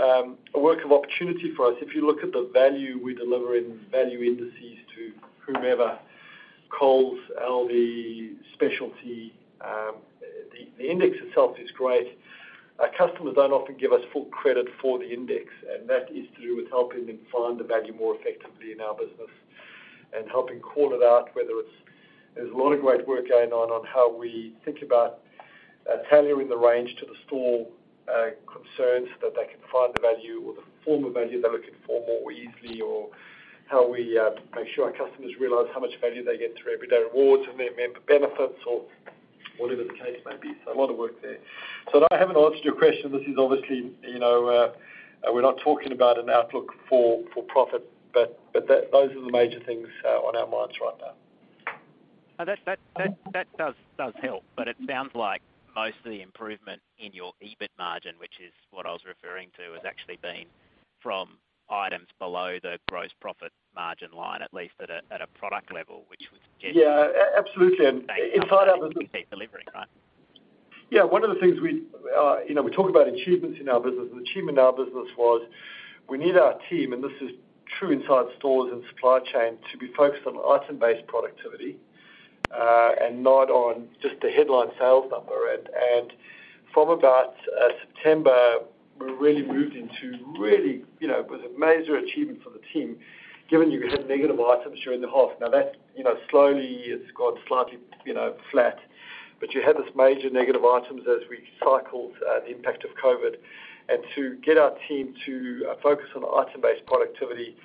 Speaker 2: a work of opportunity for us. If you look at the value we deliver in value indices to whomever, Coles, Aldi, Specialty, the index itself is great. Our customers don't often give us full credit for the index, and that is to do with helping them find the value more effectively in our business and helping call it out, whether it's... There's a lot of great work going on on how we think about tailoring the range to the store, concerns that they can find the value or the form of value they're looking for more easily, or how we, make sure our customers realize how much value they get through Everyday Rewards and their member benefits or whatever the case may be. A lot of work there. I haven't answered your question. This is obviously, you know, we're not talking about an outlook for profit, but those are the major things on our minds right now.
Speaker 5: No, that does help. It sounds like most of the improvement in your EBIT margin, which is what I was referring to, has actually been from items below the gross profit margin line, at least at a product level, which would suggest-.
Speaker 2: Yeah. absolutely. inside our business.
Speaker 5: delivery, right?
Speaker 2: Yeah. One of the things we, you know, we talk about achievements in our business. The achievement in our business was we need our team, and this is true inside stores and supply chain, to be focused on item-based productivity, and not on just the headline sales number. From about September, we really moved into, you know, it was a major achievement for the team, given you could have negative items during the half. Now that, you know, slowly it's gone slightly, you know, flat. You had this major negative items as we cycled the impact of COVID. To get our team to focus on item-based productivity,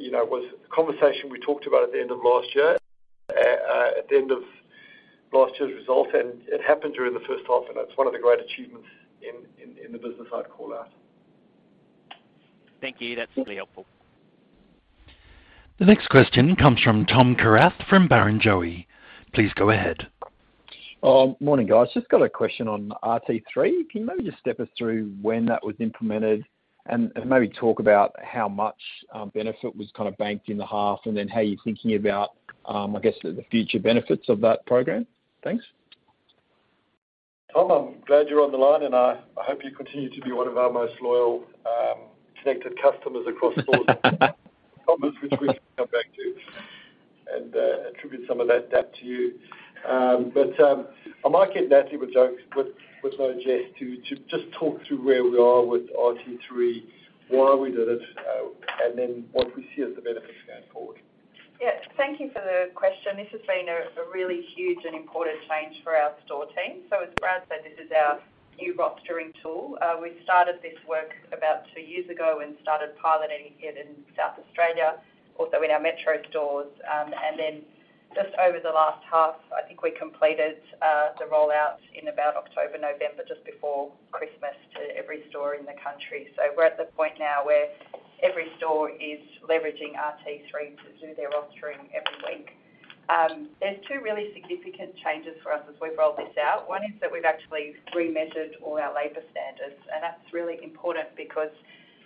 Speaker 2: you know, was a conversation we talked about at the end of last year, at the end of last year's result, and it happened during the first half, and it's one of the great achievements in the business I'd call out.
Speaker 5: Thank you. That's really helpful.
Speaker 1: The next question comes from Tom Kierath from Barrenjoey. Please go ahead.
Speaker 6: Oh, morning, guys. Just got a question on RT3. Can you maybe just step us through when that was implemented and maybe talk about how much benefit was kind of banked in the half, and then how you're thinking about, I guess the future benefits of that program? Thanks.
Speaker 2: Tom, I'm glad you're on the line, I hope you continue to be one of our most loyal, connected customers across stores. Which we can come back to and attribute some of that back to you. I might get Natalie with jokes, with no jest to just talk through where we are with RT3, why we did it, and then what we see as the benefits going forward.
Speaker 7: Yeah. Thank you for the question. This has been a really huge and important change for our store team. As Brad said, this is our new rostering tool. We started this work about two years ago and started piloting it in South Australia, also in our Metro stores. Just over the last half, I think we completed the rollouts in about October, November, just before Christmas to every store in the country. We're at the point now where every store is leveraging RT3 to do their rostering every week. There's two really significant changes for us as we've rolled this out. One is that we've actually remeasured all our labor standards, and that's really important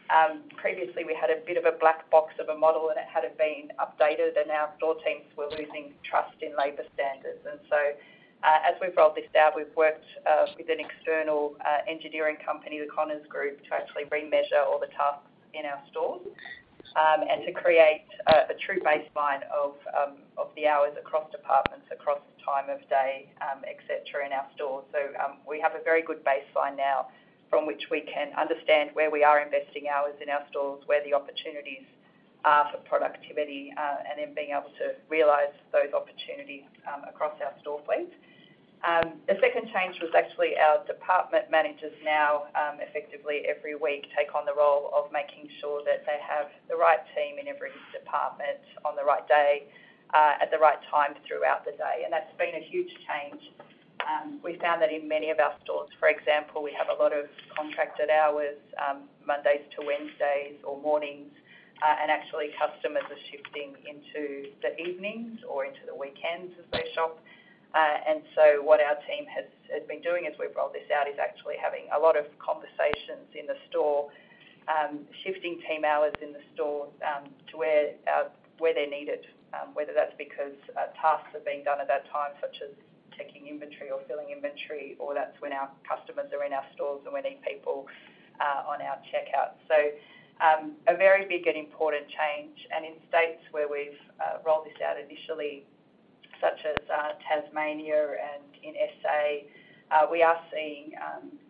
Speaker 7: because previously we had a bit of a black box of a model and it hadn't been updated, and our store teams were losing trust in labor standards. As we've rolled this out, we've worked with an external engineering company, the Connors Group, to actually remeasure all the tasks in our stores. To create a true baseline of the hours across departments, across time of day, et cetera, in our stores. We have a very good baseline now from which we can understand where we are investing hours in our stores, where the opportunities are for productivity, and then being able to realize those opportunities across our store fleet. The second change was actually our department managers now, effectively every week take on the role of making sure that they have the right team in every department on the right day, at the right time throughout the day. That's been a huge change. We found that in many of our stores, for example, we have a lot of contracted hours, Mondays to Wednesdays or mornings, and actually customers are shifting into the evenings or into the weekends as they shop. And so what our team has been doing as we've rolled this out is actually having a lot of conversations in the store, shifting team hours in the store, to where where they're needed, whether that's because tasks are being done at that time, such as checking inventory or filling inventory, or that's when our customers are in our stores and we need people on our checkout. A very big and important change. In states where we've rolled this out initially, such as Tasmania and in SA, we are seeing,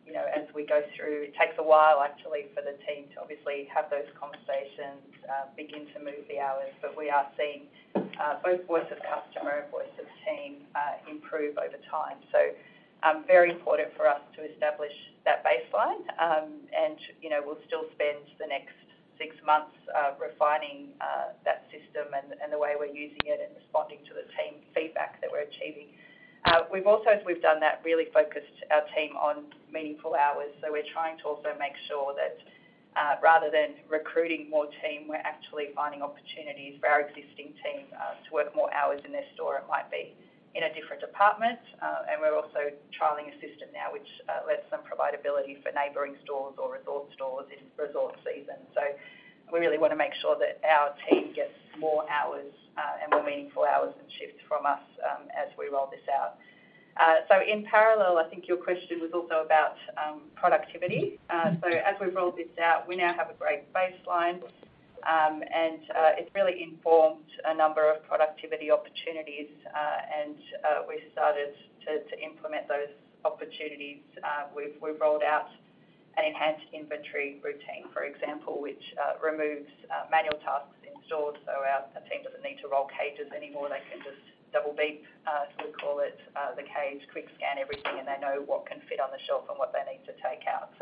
Speaker 7: you know, as we go through, takes a while actually for the team to obviously have those conversations, begin to move the hours. But we are seeing both voice of customer and voice of team improve over time. Very important for us to establish that baseline. You know, we'll still spend the next six months, refining that system and the way we're using it and responding to the team feedback that we're achieving. We've also, as we've done that, really focused our team on meaningful hours. We're trying to also make sure that, rather than recruiting more team, we're actually finding opportunities for our existing team, to work more hours in their store. It might be in a different department. We're also trialing a system now which, lets them provide ability for neighboring stores or resort stores in resort season. We really wanna make sure that our team gets more hours, and more meaningful hours and shifts from us, as we roll this out. In parallel, I think your question was also about productivity. As we've rolled this out, we now have a great baseline. It's really informed a number of productivity opportunities. We've started to implement those opportunities. We've rolled out an enhanced inventory routine, for example, which removes manual tasks in stores, so our team doesn't need to roll cages anymore. They can just double beep, as we call it, the cage, quick scan everything, and they know what can fit on the shelf and what they need to take out.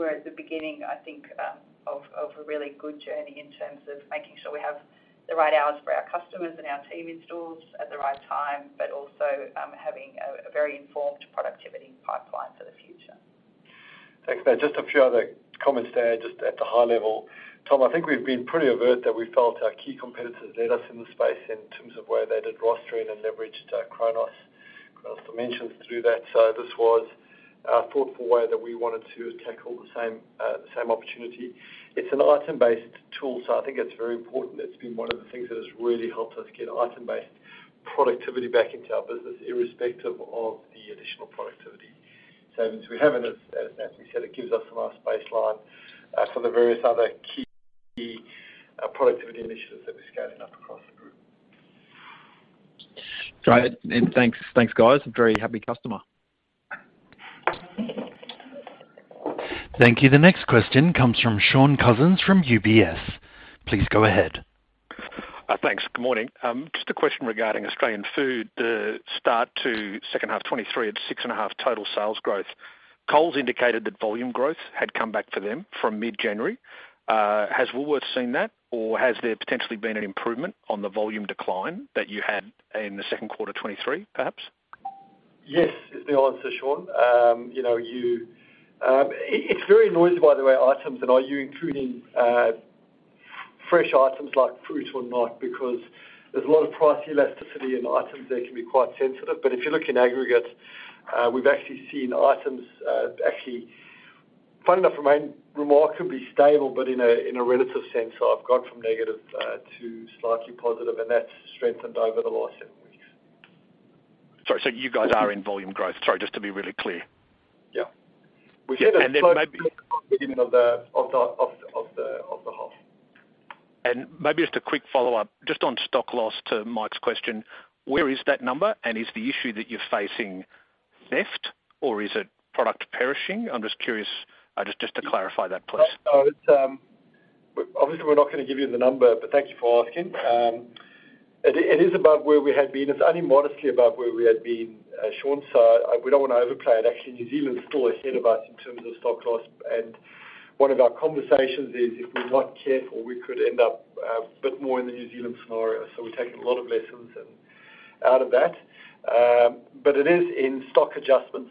Speaker 7: We're at the beginning, I think, of a really good journey in terms of making sure we have the right hours for our customers and our team in stores at the right time, but also, having a very informed productivity pipeline for the future.
Speaker 2: Thanks, Nat. Just a few other comments there, just at the high level. Tom, I think we've been pretty overt that we felt our key competitors led us in the space in terms of where they did rostering and leveraged our Kronos dimensions through that. This was a thoughtful way that we wanted to tackle the same opportunity. It's an item-based tool. I think it's very important. It's been one of the things that has really helped us get item-based productivity back into our business, irrespective of the additional productivity. As we have and as Natalie said, it gives us a nice baseline for the various other key productivity initiatives that we're scaling up across the group.
Speaker 6: Great. Thanks, guys. A very happy customer.
Speaker 1: Thank you. The next question comes from Shaun Cousins from UBS. Please go ahead.
Speaker 8: Thanks. Good morning. Just a question regarding Australian Food. The start to second half 2023 at 6.5% total sales growth. Coles indicated that volume growth had come back for them from mid-January. Has Woolworths seen that, or has there potentially been an improvement on the volume decline that you had in the second quarter 2023, perhaps?
Speaker 2: Yes, is the answer, Shaun. you know, you, it's very noisy by the way, items, and are you including, fresh items like fruit or not? Because there's a lot of price elasticity, and items there can be quite sensitive. But if you look in aggregate, we've actually seen items, actually funnily enough remain remarkably stable, but in a relative sense, I've gone from negative, to slightly positive, and that's strengthened over the last seven weeks.
Speaker 8: Sorry. You guys are in volume growth? Sorry, just to be really clear.
Speaker 2: Yeah. We said at the close-
Speaker 8: maybe...
Speaker 2: At the beginning of the half.
Speaker 8: Maybe just a quick follow-up, just on stock loss to Mike's question, where is that number? Is the issue that you're facing theft, or is it product perishing? I'm just curious, just to clarify that please.
Speaker 2: It's, obviously we're not gonna give you the number, but thank you for asking. It is above where we had been. It's only modestly above where we had been, Shaun, so we don't wanna overplay it. Actually, New Zealand's still ahead of us in terms of stock loss, and one of our conversations is, if we're not careful, we could end up a bit more in the New Zealand scenario. We're taking a lot of lessons out of that. It is in stock adjustments,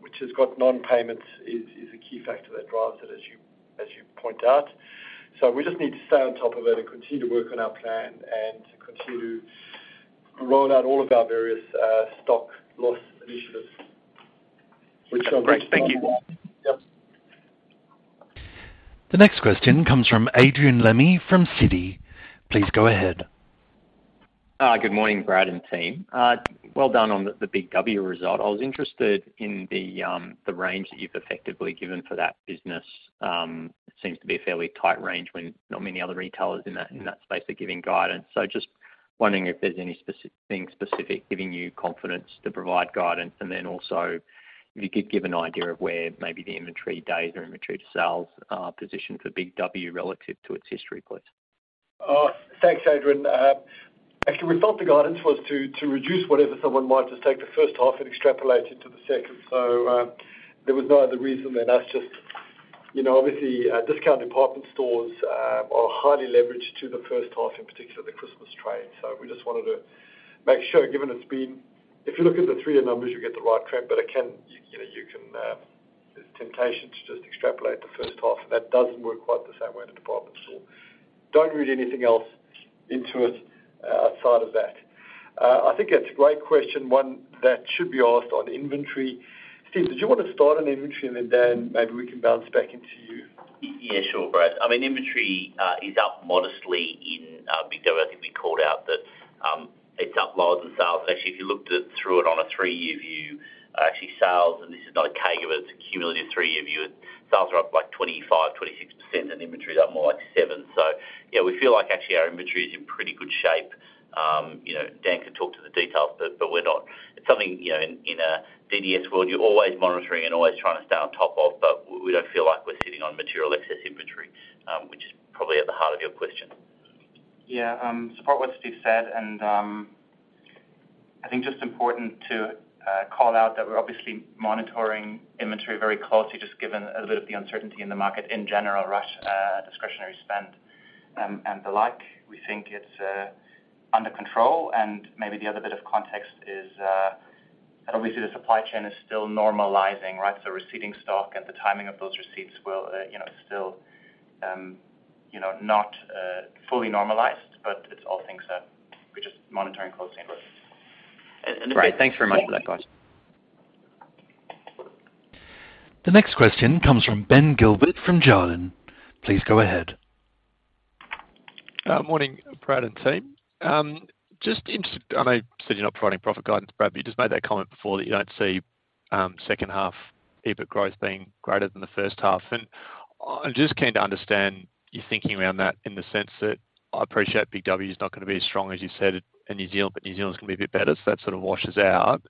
Speaker 2: which has got non-payments is a key factor that drives it as you point out. We just need to stay on top of it and continue to work on our plan and to continue to roll out all of our various stock loss initiatives.
Speaker 8: Great. Thank you.
Speaker 2: Yeah.
Speaker 1: The next question comes from Adrian Lemme from Citi. Please go ahead.
Speaker 9: Good morning, Brad and team. Well done on the BIG W result. I was interested in the range that you've effectively given for that business. It seems to be a fairly tight range when not many other retailers in that space are giving guidance. Just wondering if there's anything specific giving you confidence to provide guidance. Then also, if you could give an idea of where maybe the inventory days or inventory to sales position for BIG W relative to its history, please.
Speaker 2: Thanks, Adrian. Actually we thought the guidance was to reduce whatever someone might just take the first half and extrapolate it to the second. There was no other reason than that's just, you know, obviously, discount department stores are highly leveraged to the first half, in particular, the Christmas trade. We just wanted to make sure, given it's been. If you look at the three-year numbers, you'll get the right trend, but it can, you know, you can, there's temptation to just extrapolate the first half, and that doesn't work quite the same way in a department store. Don't read anything else into it outside of that. I think it's a great question, one that should be asked on inventory. Steve, did you wanna start on inventory and then Dan, maybe we can bounce back into you?
Speaker 3: Yeah, sure, Brad. I mean, inventory is up modestly in BIG W. I think we called out that it's up lower than sales. Actually, if you looked at through it on a three-year view, actually sales, and this is not a CAGR of it's a cumulative three-year view. Sales are up, like, 25%-26%, and inventory is up more like seven. Yeah, we feel like actually our inventory is in pretty good shape. You know, Dan can talk to the details, but we're not. It's something, you know, in a DDS world, you're always monitoring and always trying to stay on top of, but we don't feel like we're sitting on material excess inventory, which is probably at the heart of your question.
Speaker 10: Yeah, support what Steve said. I think just important to call out that we're obviously monitoring inventory very closely, just given a little bit of the uncertainty in the market in general, rush, discretionary spend, and the like. We think it's under control, and maybe the other bit of context is obviously the supply chain is still normalizing, right? Receiving stock and the timing of those receipts will, you know, still, you know, not fully normalized, but it's all things that we're just monitoring closely.
Speaker 9: Great. Thanks very much for that, guys.
Speaker 1: The next question comes from Ben Gilbert from Jarden. Please go ahead.
Speaker 11: Morning, Brad and team. I know you said you're not providing profit guidance, Brad, but you just made that comment before that you don't see second half EBIT growth being greater than the first half. I'm just keen to understand your thinking around that in the sense that I appreciate Big W is not gonna be as strong as you said in New Zealand, but New Zealand's gonna be a bit better, so that sort of washes out.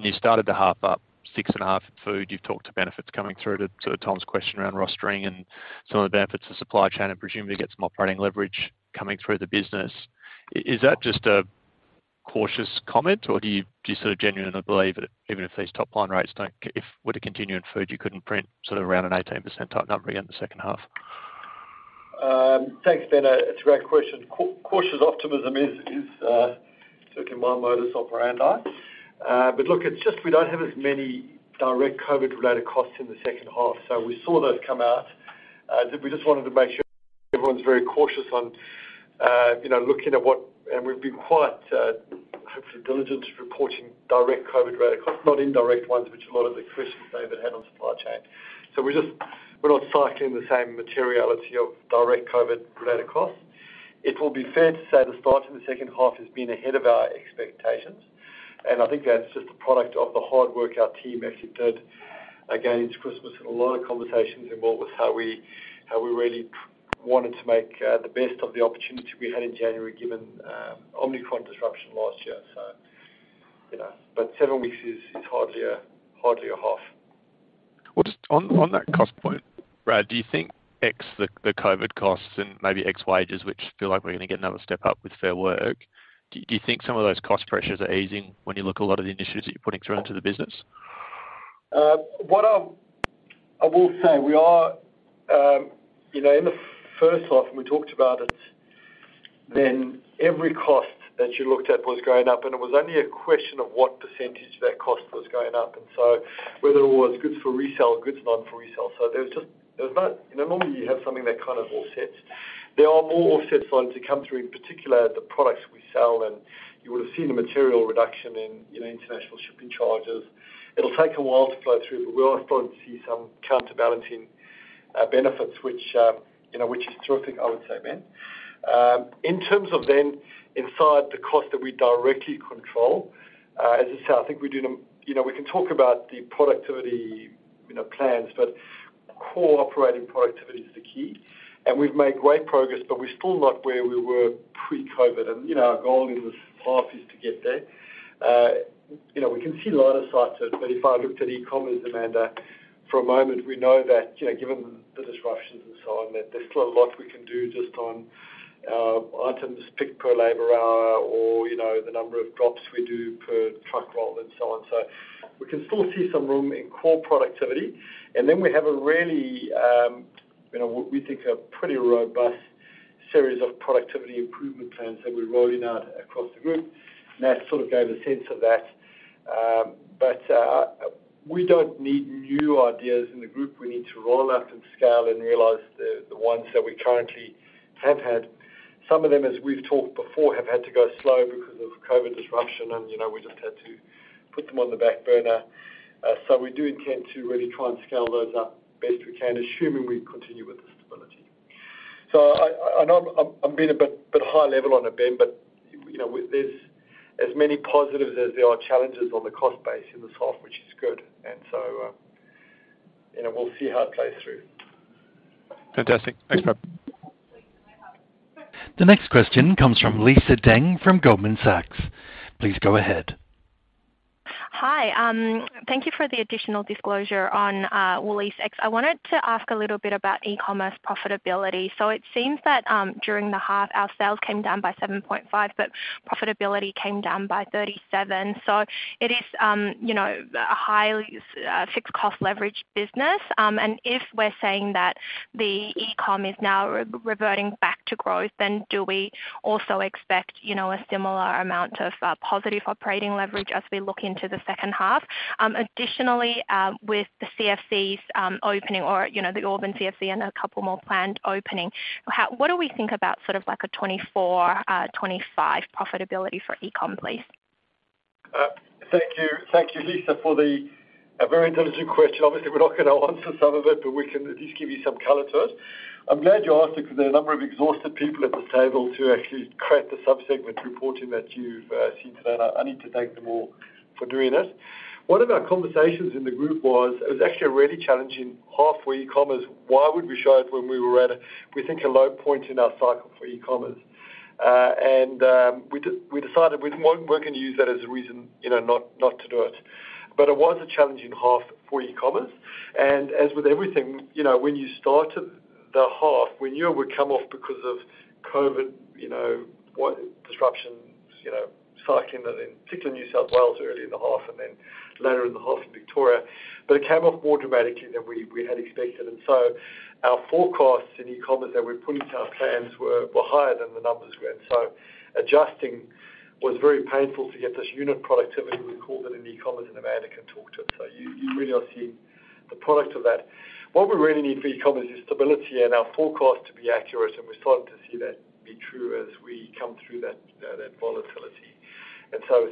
Speaker 11: You started the half up 6.5 in food. You've talked to benefits coming through to Tom's question around rostering and some of the benefits of supply chain. I presumably get some operating leverage coming through the business. Is that just a cautious comment or do you sort of genuinely believe that even if these top line rates were to continue in food, you couldn't print sort of around an 18% type number again in the second half?
Speaker 2: Thanks, Ben. It's a great question. Cautious optimism is certainly my modus operandi. Look, it's just we don't have as many direct COVID-related costs in the second half. We saw those come out. We just wanted to make sure everyone's very cautious on, you know, looking at what... We've been quite, hopefully diligent reporting direct COVID-related costs, not indirect ones, which a lot of the questions David had on supply chain. We're not cycling the same materiality of direct COVID-related costs. It will be fair to say the start of the second half has been ahead of our expectations, and I think that's just a product of the hard work our team actually did against Christmas. A lot of conversations involved with how we really wanted to make the best of the opportunity we had in January, given Omicron disruption last year. You know. Several weeks is hardly a half.
Speaker 11: Well, just on that cost point, Brad, do you think ex the COVID costs and maybe ex wages, which feel like we're gonna get another step up with Fair Work, do you think some of those cost pressures are easing when you look a lot of the initiatives that you're putting through into the business?
Speaker 2: What I will say we are, you know, in the first half when we talked about it, then every cost that you looked at was going up, and it was only a question of what % that cost was going up. Whether it was goods for resale or goods not for resale. There was just, there was not... You know, normally you have something that kind of offsets. There are more offsets starting to come through, in particular the products we sell, and you would've seen a material reduction in, you know, international shipping charges. It'll take a while to flow through, but we are starting to see some counterbalancing, benefits which, you know, which is terrific, I would say, Ben. In terms of then inside the cost that we directly control, as I say, I think we do them... You know, we can talk about the productivity, you know, plans, but core operating productivity is the key. We've made great progress, but we're still not where we were pre-COVID. You know, our goal in this half is to get there. You know, we can see a lot of sites, but if I looked at e-commerce, Amanda, for a moment, we know that, you know, given the disruptions and so on, that there's still a lot we can do just on items picked per labor hour or, you know, the number of drops we do per truck roll and so on. We can still see some room in core productivity. Then we have a really, you know, we think a pretty robust series of productivity improvement plans that we're rolling out across the group. That sort of gave a sense of that. We don't need new ideas in the group. We need to roll out and scale and realize the ones that we currently have had. Some of them, as we've talked before, have had to go slow because of COVID disruption and, you know, we just had to put them on the back burner. We do intend to really try and scale those up best we can, assuming we continue with this. I know I'm being a bit high level on it, Ben, but, you know, there's as many positives as there are challenges on the cost base in this half, which is good. You know, we'll see how it plays through.
Speaker 11: Fantastic. Thanks, Brad.
Speaker 1: The next question comes from Lisa Deng from Goldman Sachs. Please go ahead.
Speaker 12: Hi. Thank you for the additional disclosure on WooliesX. I wanted to ask a little bit about e-commerce profitability. It seems that, during the half, our sales came down by 7.5%, but profitability came down by 37%. It is, you know, a highly fixed cost leverage business. If we're saying that the e-com is now reverting back to growth, then do we also expect, you know, a similar amount of positive operating leverage as we look into the second half? Additionally, with the CFCs opening or, you know, the Auburn CFC and a couple more planned opening, what do we think about sort of like a 2024, 2025 profitability for e-com, please?
Speaker 2: Thank you. Thank you, Lisa, for the very intelligent question. We're not gonna answer some of it, but we can at least give you some color to it. I'm glad you asked it because there are a number of exhausted people at this table to actually create the sub-segment reporting that you've seen today, and I need to thank them all for doing that. One of our conversations in the group was, it was actually a really challenging half for e-commerce. Why would we show it when we were at a, we think, a low point in our cycle for e-commerce? We decided we're gonna use that as a reason, you know, not to do it. It was a challenging half for e-commerce. As with everything, you know, when you started the half, we knew it would come off because of COVID, you know, what disruptions, you know, cycling, and in particular New South Wales early in the half and then later in the half in Victoria. It came off more dramatically than we had expected. So our forecasts in e-commerce that we put into our plans were higher than the numbers we had. Adjusting was very painful to get this unit productivity, we call them in e-commerce, and Amanda can talk to it. You really are seeing the product of that. What we really need for e-commerce is stability and our forecast to be accurate, and we're starting to see that be true as we come through that volatility.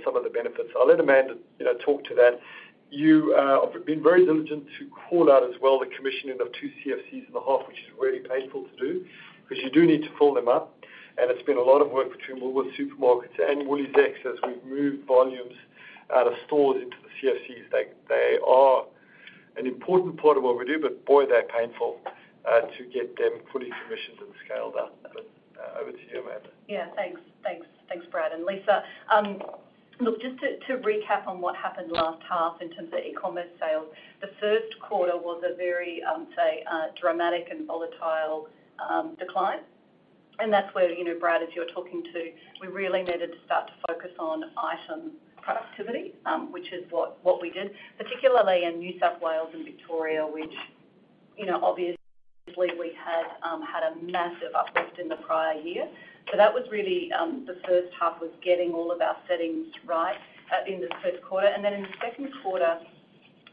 Speaker 2: Some of the benefits. I'll let Amanda, you know, talk to that. You have been very diligent to call out as well the commissioning of two CFCs in the half, which is really painful to do 'cause you do need to fill them up, and it's been a lot of work between Woolworths Supermarkets and WooliesX as we've moved volumes out of stores into the CFCs. They are an important part of what we do, but boy, they're painful to get them fully commissioned and scaled up. Over to you, Amanda.
Speaker 13: Yeah. Thanks, Brad. Lisa, look, just to recap on what happened last half in terms of e-commerce sales, the first quarter was a very dramatic and volatile decline. That's where, you know, Brad, as you're talking to, we really needed to start to focus on item productivity, which is what we did, particularly in New South Wales and Victoria, which, you know, obviously we had a massive uplift in the prior year. That was really the first half was getting all of our settings right in the third quarter. In the second quarter,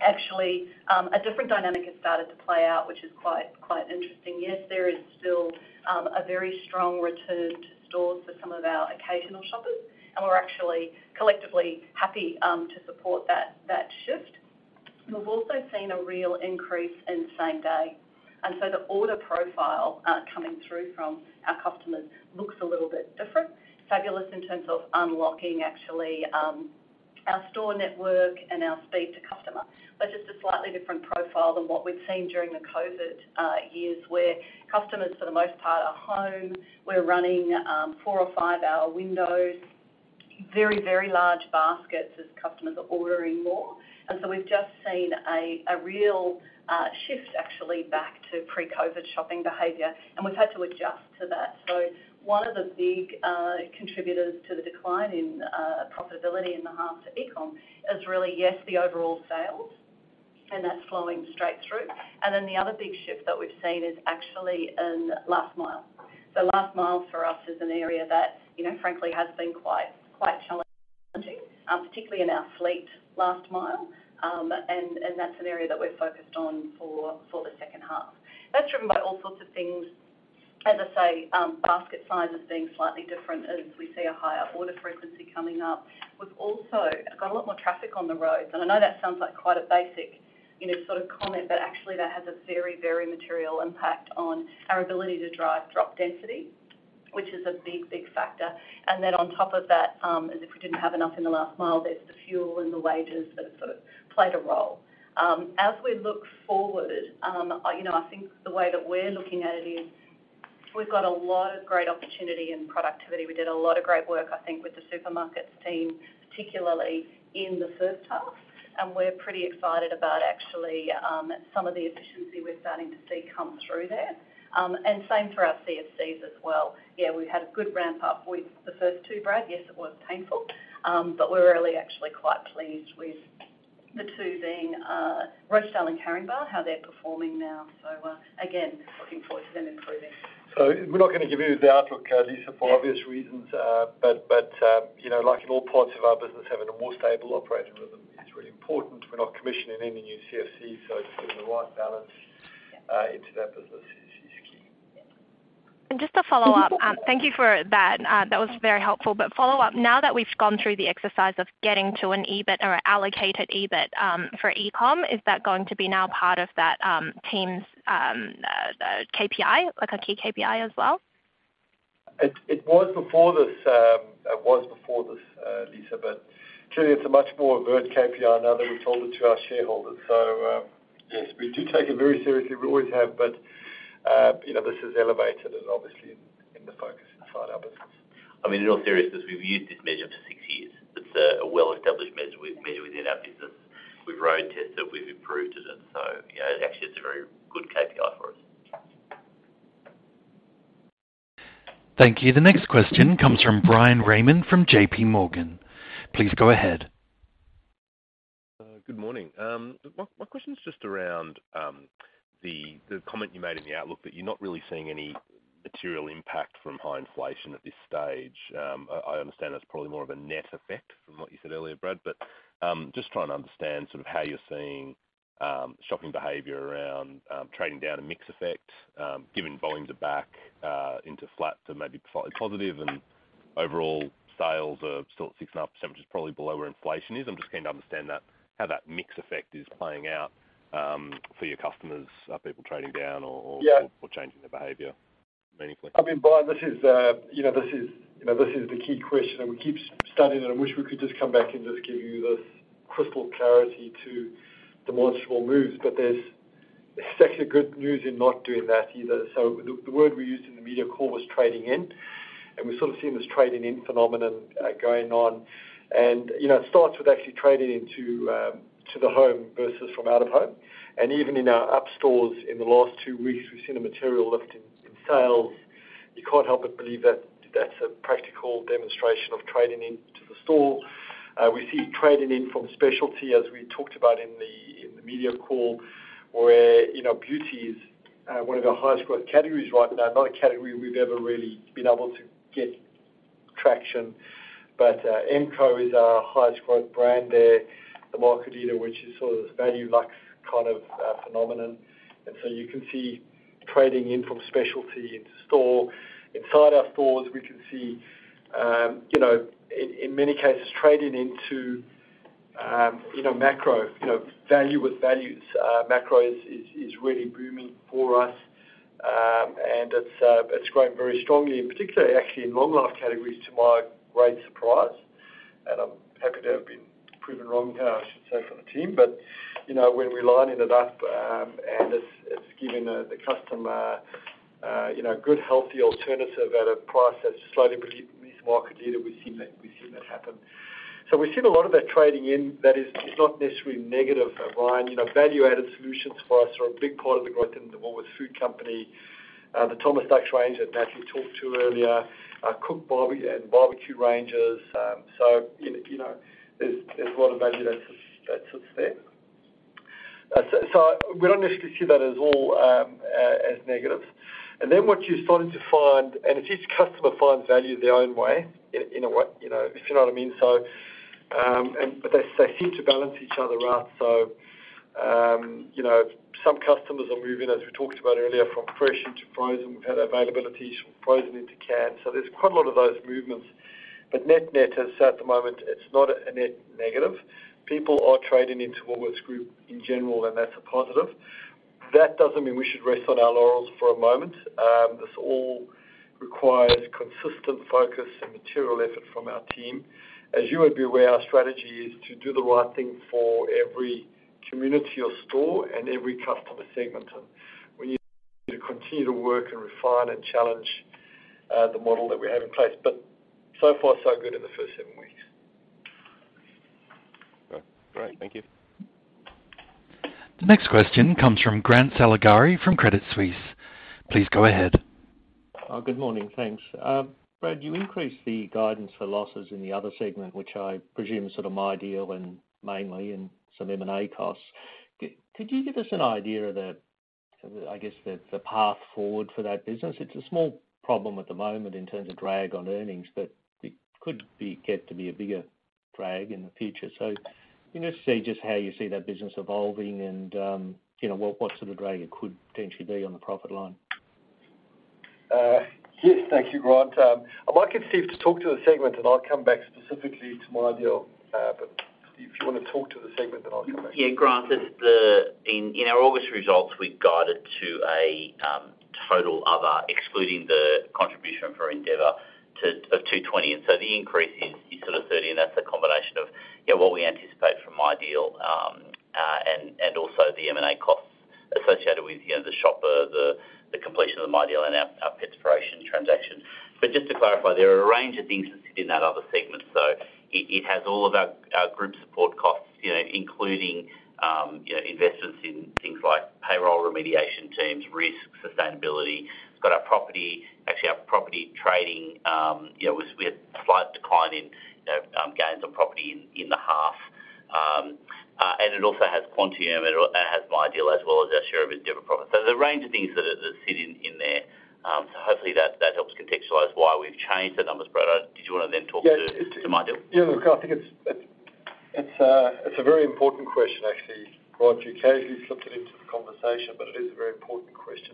Speaker 13: actually, a different dynamic has started to play out, which is quite interesting. Yes, there is still a very strong return to stores for some of our occasional shoppers, and we're actually collectively happy to support that shift. We've also seen a real increase in same day, and so the order profile coming through from our customers looks a little bit different. Fabulous in terms of unlocking actually our store network and our speed to customer, but just a slightly different profile than what we've seen during the COVID years, where customers, for the most part, are home. We're running four or five-hour windows, very, very large baskets as customers are ordering more. We've just seen a real shift actually back to pre-COVID shopping behavior, and we've had to adjust to that. One of the big contributors to the decline in profitability in the half to e-com is really, yes, the overall sales, and that's flowing straight through. The other big shift that we've seen is actually in last mile. Last mile for us is an area that, you know, frankly, has been quite challenging, particularly in our fleet last mile. That's an area that we're focused on for the second half. That's driven by all sorts of things. As I say, basket size is being slightly different as we see a higher order frequency coming up. We've also got a lot more traffic on the roads, I know that sounds like quite a basic, you know, sort of comment, but actually that has a very, very material impact on our ability to drive drop density, which is a big, big factor. On top of that, as if we didn't have enough in the last mile, there's the fuel and the wages that have sort of played a role. As we look forward, you know, I think the way that we're looking at it is we've got a lot of great opportunity and productivity. We did a lot of great work, I think, with the Supermarkets team, particularly in the first half, we're pretty excited about actually some of the efficiency we're starting to see come through there. Same for our CFCs as well. We've had a good ramp up with the first two, Brad. It was painful, but we're really actually quite pleased with the two being Rockdale and Caringbah, how they're performing now. Again, looking forward to them improving.
Speaker 2: We're not gonna give you the outlook, Lisa, for obvious reasons. You know, like in all parts of our business, having a more stable operating rhythm is really important. We're not commissioning any new CFC, so just getting the right balance into that business is key.
Speaker 13: Yeah.
Speaker 12: Just to follow up, thank you for that. That was very helpful. Follow up, now that we've gone through the exercise of getting to an EBIT or allocated EBIT, for eCom, is that going to be now part of that team's KPI, like a key KPI as well?
Speaker 2: It was before this, it was before this, Lisa, clearly it's a much more overt KPI now that we've sold it to our shareholders. Yes, we do take it very seriously. We always have, you know, this is elevated and obviously in the focus inside our business.
Speaker 3: I mean, in all seriousness, we've used this measure for six years. It's a well-established measure within our business. We've road-tested, we've improved it, and so, you know, actually, it's a very good KPI for us.
Speaker 1: Thank you. The next question comes from Bryan Raymond from JPMorgan. Please go ahead.
Speaker 14: Good morning. My question is just around the comment you made in the outlook that you're not really seeing any material impact from high inflation at this stage. I understand that's probably more of a net effect from what you said earlier, Brad, but just trying to understand sort of how you're seeing shopping behavior around trading down and mix effect, given volumes are back into flat to maybe slightly positive and overall sales are still at 6.5%, probably below where inflation is. I'm just keen to understand that, how that mix effect is playing out for your customers. Are people trading down?
Speaker 2: Yeah.
Speaker 14: Changing their behavior meaningfully?
Speaker 2: I mean, Bryan, this is, you know, this is, you know, this is the key question. We keep studying, and I wish we could just come back and just give you this crystal clarity to demonstrable moves. There's actually good news in not doing that either. The, the word we used in the media call was trading in. We're sort of seeing this trading in phenomenon, going on. You know, it starts with actually trading into, to the home versus from out of home. Even in our Up stores in the last two weeks, we've seen a material lift in sales. You can't help but believe that that's a practical demonstration of trading into the store. We see trading in from specialty, as we talked about in the media call, where, you know, beauty is one of our highest growth categories right now, not a category we've ever really been able to get traction. MCo is our highest growth brand there, the market leader, which is sort of this value lux kind of phenomenon. You can see trading in from specialty into store. Inside our stores, we can see, you know, in many cases, trading into, you know, Macro, you know, value with values. Macro is really booming for us. It's growing very strongly, in particular, actually, in long life categories to my great surprise. I'm happy to have been proven wrong, I should say, from the team. You know, when we're lining it up, and it's giving the customer, you know, good, healthy alternative at a price that's slightly beneath market leader, we've seen that, we've seen that happen. We've seen a lot of that trading in that is not necessarily negative, Bryan. You know, value-added solutions for us are a big part of the growth in the Woolworths Food Company. The Thomas Dux range that Matthew talked to earlier, our cooked and barbecue ranges. You know, there's a lot of value that sits, that sits there. We don't necessarily see that as all as negative. What you're starting to find... Each customer finds value their own way in a way, you know, if you know what I mean. They seem to balance each other out. You know, some customers are moving, as we talked about earlier, from fresh into frozen. We've had availabilities from frozen into canned. There's quite a lot of those movements. Net-net, as I said at the moment, it's not a net negative. People are trading into Woolworths Group in general, and that's a positive. That doesn't mean we should rest on our laurels for a moment. This all requires consistent focus and material effort from our team. As you would be aware, our strategy is to do the right thing for every community or store and every customer segment. We need to continue to work and refine and challenge the model that we have in place. So far, so good in the first 7 weeks.
Speaker 14: Great. Thank you.
Speaker 1: The next question comes from Grant Saligari from Credit Suisse. Please go ahead.
Speaker 15: Good morning. Thanks. Brad, you increased the guidance for losses in the other segment, which I presume sort of MyDeal when, mainly, and some M&A costs. Could you give us an idea of the, I guess the path forward for that business? It's a small problem at the moment in terms of drag on earnings, but it could get to be a bigger drag in the future. Can you just say just how you see that business evolving and, you know, what sort of drag it could potentially be on the profit line?
Speaker 2: Yes. Thank you, Grant. I'd like Steve to talk to the segment. I'll come back specifically to MyDeal. Steve, if you wanna talk to the segment, then I'll come back to you.
Speaker 3: Yeah, Grant, it's the... In our August results, we guided to a total other, excluding the contribution for Endeavour Group, of 220 million. The increase is sort of 30 million, and that's a combination of, you know, what we anticipate from MyDeal, and also the M&A costs associated with, you know, Shopper Media, the completion of the MyDeal and our Petspiration Group transaction. Just to clarify, there are a range of things that sit in that other segment. It has all of our group support costs, you know, including, you know, investments in things like payroll remediation teams, risk, sustainability. It's got our property, actually our property trading, you know, we had a slight decline in, you know, gains on property in the half. It also has Quantium and it has MyDeal as well as our share of Endeavour profit. There's a range of things that are, that sit in there. Hopefully that helps contextualize why we've changed the numbers. Brad, did you wanna then talk to.
Speaker 2: Yes.
Speaker 3: To MyDeal?
Speaker 2: Yeah, look, I think It's a very important question, actually, Rod. You occasionally slipped it into the conversation, it is a very important question.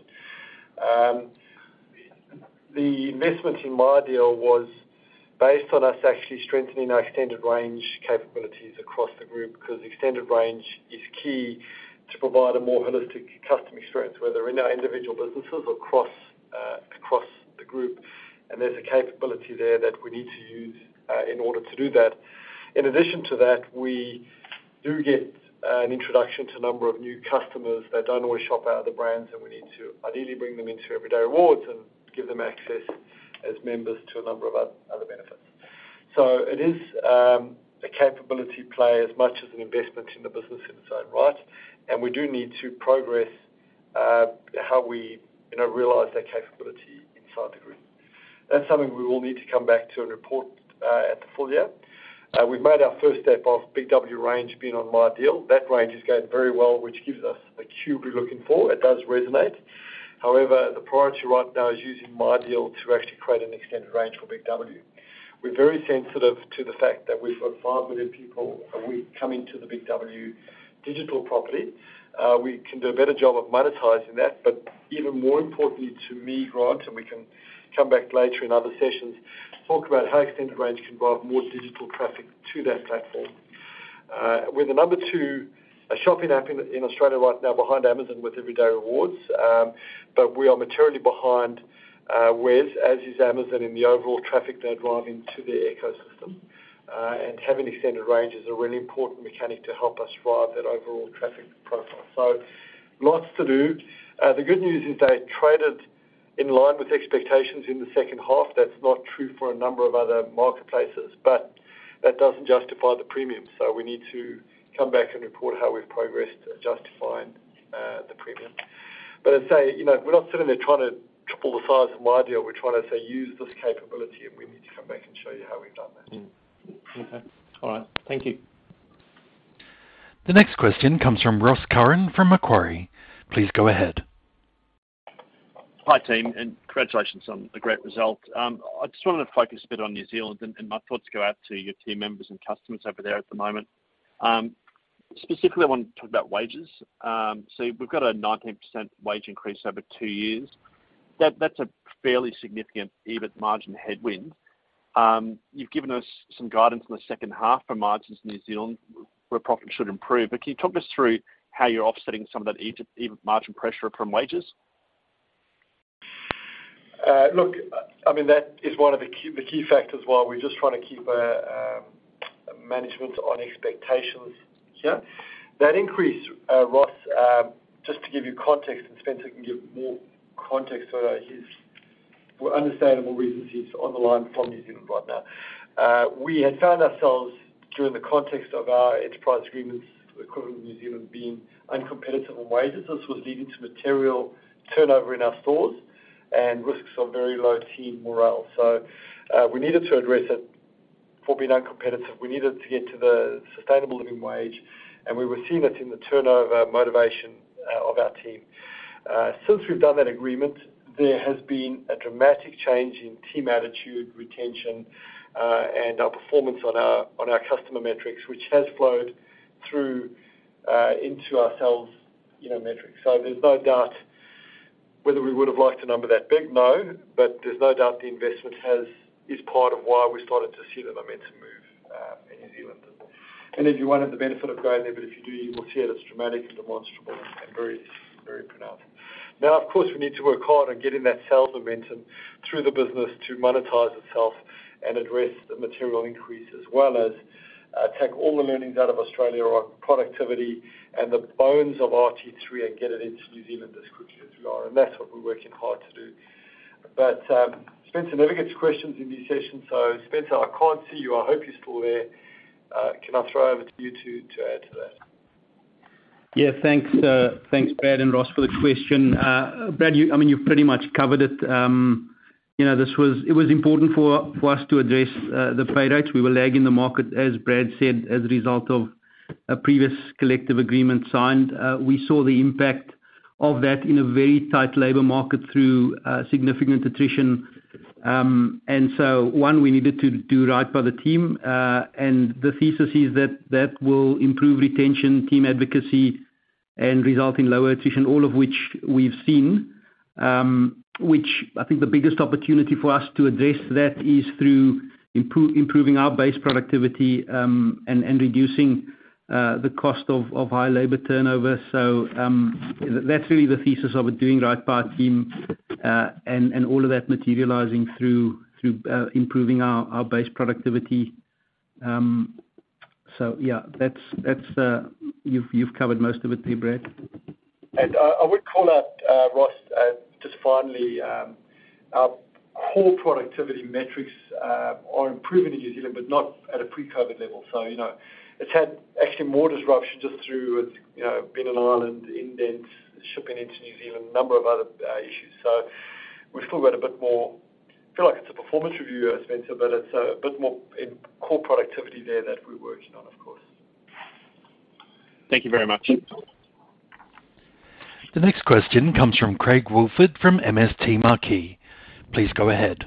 Speaker 2: The investment in MyDeal was based on us actually strengthening our extended range capabilities across the group because extended range is key to provide a more holistic customer experience, whether in our individual businesses across the group. There's a capability there that we need to use in order to do that. In addition to that, we do get an introduction to a number of new customers that don't always shop at other brands, we need to ideally bring them into Everyday Rewards and give them access as members to a number of other benefits. It is a capability play as much as an investment in the business in its own right. We do need to progress, how we, you know, realize that capability inside the Group. That's something we will need to come back to and report at the full-year. We've made our first step of BIG W range being on MyDeal. That range is going very well, which gives us the cue we're looking for. It does resonate. However, the priority right now is using MyDeal to actually create an extended range for BIG W. We're very sensitive to the fact that we've got five million people a week coming to the BIG W digital property. We can do a better job of monetizing that. Even more importantly to me, Rod, and we can come back later in other sessions, talk about how extended range can drive more digital traffic to that platform. We're the number two shopping app in Australia right now behind Amazon with Everyday Rewards. We are materially behind Wesfarmers, as is Amazon in the overall traffic they're driving to their ecosystem. Having extended range is a really important mechanic to help us drive that overall traffic profile. Lots to do. The good news is they traded in line with expectations in the second half. That's not true for a number of other marketplaces, but that doesn't justify the premium. We need to come back and report how we've progressed to justifying the premium. I'd say, you know, we're not sitting there trying to triple the size of MyDeal. We're trying to say, use this capability, and we need to come back and show you how we've done that.
Speaker 15: Mm-hmm. Okay. All right. Thank you.
Speaker 1: The next question comes from Ross Curran from Macquarie. Please go ahead.
Speaker 16: Hi, team, and congratulations on the great result. I just wanted to focus a bit on New Zealand, and my thoughts go out to your team members and customers over there at the moment. Specifically, I want to talk about wages. We've got a 19% wage increase over two years. That's a fairly significant EBIT margin headwind. You've given us some guidance on the second half for margins in New Zealand where profits should improve. Can you talk us through how you're offsetting some of that EBIT margin pressure from wages?
Speaker 2: Look, that is one of the key factors why we're just trying to keep management on expectations here. That increase, Ross, just to give you context. Spencer can give more context for that. He's for understandable reasons, he's on the line from New Zealand right now. We had found ourselves during the context of our enterprise agreements equivalent in New Zealand being uncompetitive on wages. This was leading to material turnover in our stores and risks of very low team morale. We needed to address it for being uncompetitive. We needed to get to the sustainable living wage. We were seeing it in the turnover motivation of our team. Since we've done that agreement, there has been a dramatic change in team attitude, retention, and our performance on our, on our customer metrics, which has flowed through into ourselves, you know, metrics. There's no doubt whether we would have liked a number that big. No. There's no doubt the investment is part of why we started to see the momentum move in New Zealand. If you wanted the benefit of going there, but if you do, you will see it's dramatic and demonstrable and very, very pronounced. Of course, we need to work hard on getting that sales momentum through the business to monetize itself and address the material increase, as well as, take all the learnings out of Australia on productivity and the bones of RT3 and get it into New Zealand as quick as we are. That's what we're working hard to do. Spencer never gets questions in these sessions. Spencer, I can't see you. I hope you're still there. Can I throw over to you to add to that?
Speaker 17: Yeah, thanks, Brad and Ross for the question. Brad, you I mean, you've pretty much covered it. You know, it was important for us to address the pay rates. We were lagging the market, as Brad said, as a result of a previous collective agreement signed. We saw the impact of that in a very tight labor market through significant attrition. One, we needed to do right by the team. The thesis is that that will improve retention, team advocacy, and result in lower attrition, all of which we've seen. Which I think the biggest opportunity for us to address that is through improving our base productivity, and reducing the cost of high labor turnover. That's really the thesis of doing right by our team, and all of that materializing through improving our base productivity. Yeah, that's, you've covered most of it there, Brad.
Speaker 2: I would call out Ross, just finally, our core productivity metrics are improving in New Zealand, but not at a pre-COVID level. You know, it's had actually more disruption just through, you know, being an island, indents, shipping into New Zealand, a number of other issues. We've still got a bit more... I feel like it's a performance review, Spencer, but it's a bit more in core productivity there that we're working on, of course.
Speaker 16: Thank you very much.
Speaker 1: The next question comes from Craig Woolford from MST Marquee. Please go ahead.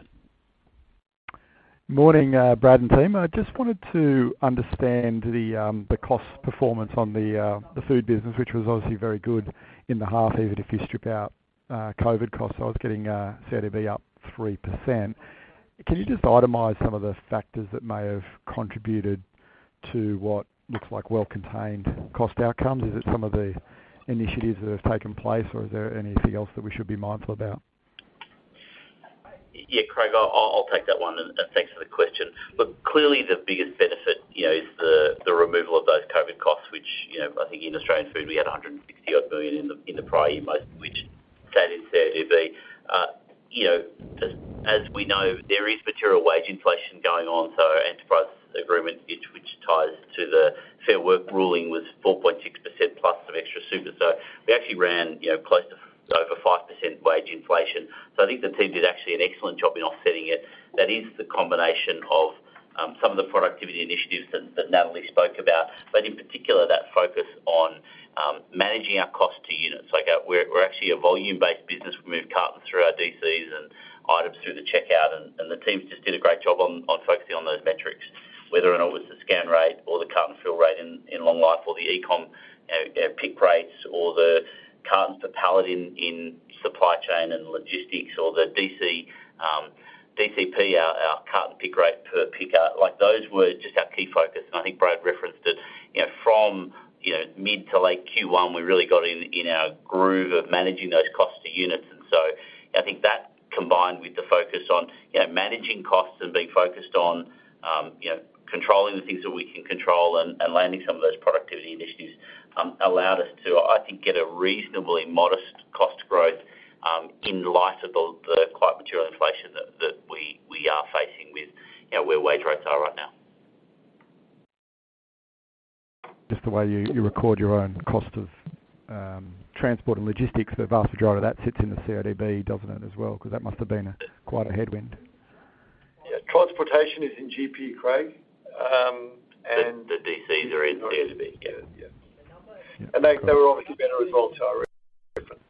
Speaker 18: Morning, Brad and team. I just wanted to understand the cost performance on the food business, which was obviously very good in the half, even if you strip out COVID costs. I was getting CRDB up 3%. Can you just itemize some of the factors that may have contributed to what looks like well-contained cost outcomes? Is it some of the initiatives that have taken place, or is there anything else that we should be mindful about?
Speaker 3: Yeah, Craig. I'll take that one, and thanks for the question. Look, clearly the biggest benefit, you know, is the removal of those COVID costs, which, you know, I think in Australian food, we had 160 odd billion in the prior year, most of which sat in CRDB. You know, as we know, there is material wage inflation going on, so enterprise agreement which ties to the Fair Work ruling, was 4.6% plus some extra super. We actually ran, you know, close to over 5% wage inflation. I think the team did actually an excellent job in offsetting it. That is the combination of some of the productivity initiatives that Natalie spoke about, but in particular that focus on managing our cost to units. Like our... We're actually a volume-based business. We move cartons through our DCs and items through the checkout, and the teams just did a great job on focusing on those metrics, whether or not it was the scan rate or the carton fill rate in Long Life or the eCom, you know, pick rates or the cartons per pallet in supply chain and logistics or the DC, DCP, our carton pick rate per picker. Like, those were just our key focus. I think Brad referenced it, you know, from, you know, mid to late Q1, we really got in our groove of managing those costs to units. I think that combined with the focus on, you know, managing costs and being focused on, you know, controlling the things that we can control and landing some of those productivity initiatives, allowed us to, I think, get a reasonably modest cost growth, in light of the quite material inflation that we are facing with, you know, where wage rates are right now.
Speaker 18: Just the way you record your own cost of transport and logistics, the vast majority of that sits in the CRDB, doesn't it, as well? That must have been quite a headwind.
Speaker 2: Yeah. Transportation is in GP, Craig.
Speaker 3: The DCs are in CRDB.
Speaker 2: Yeah. Yeah. They were obviously better results I referenced.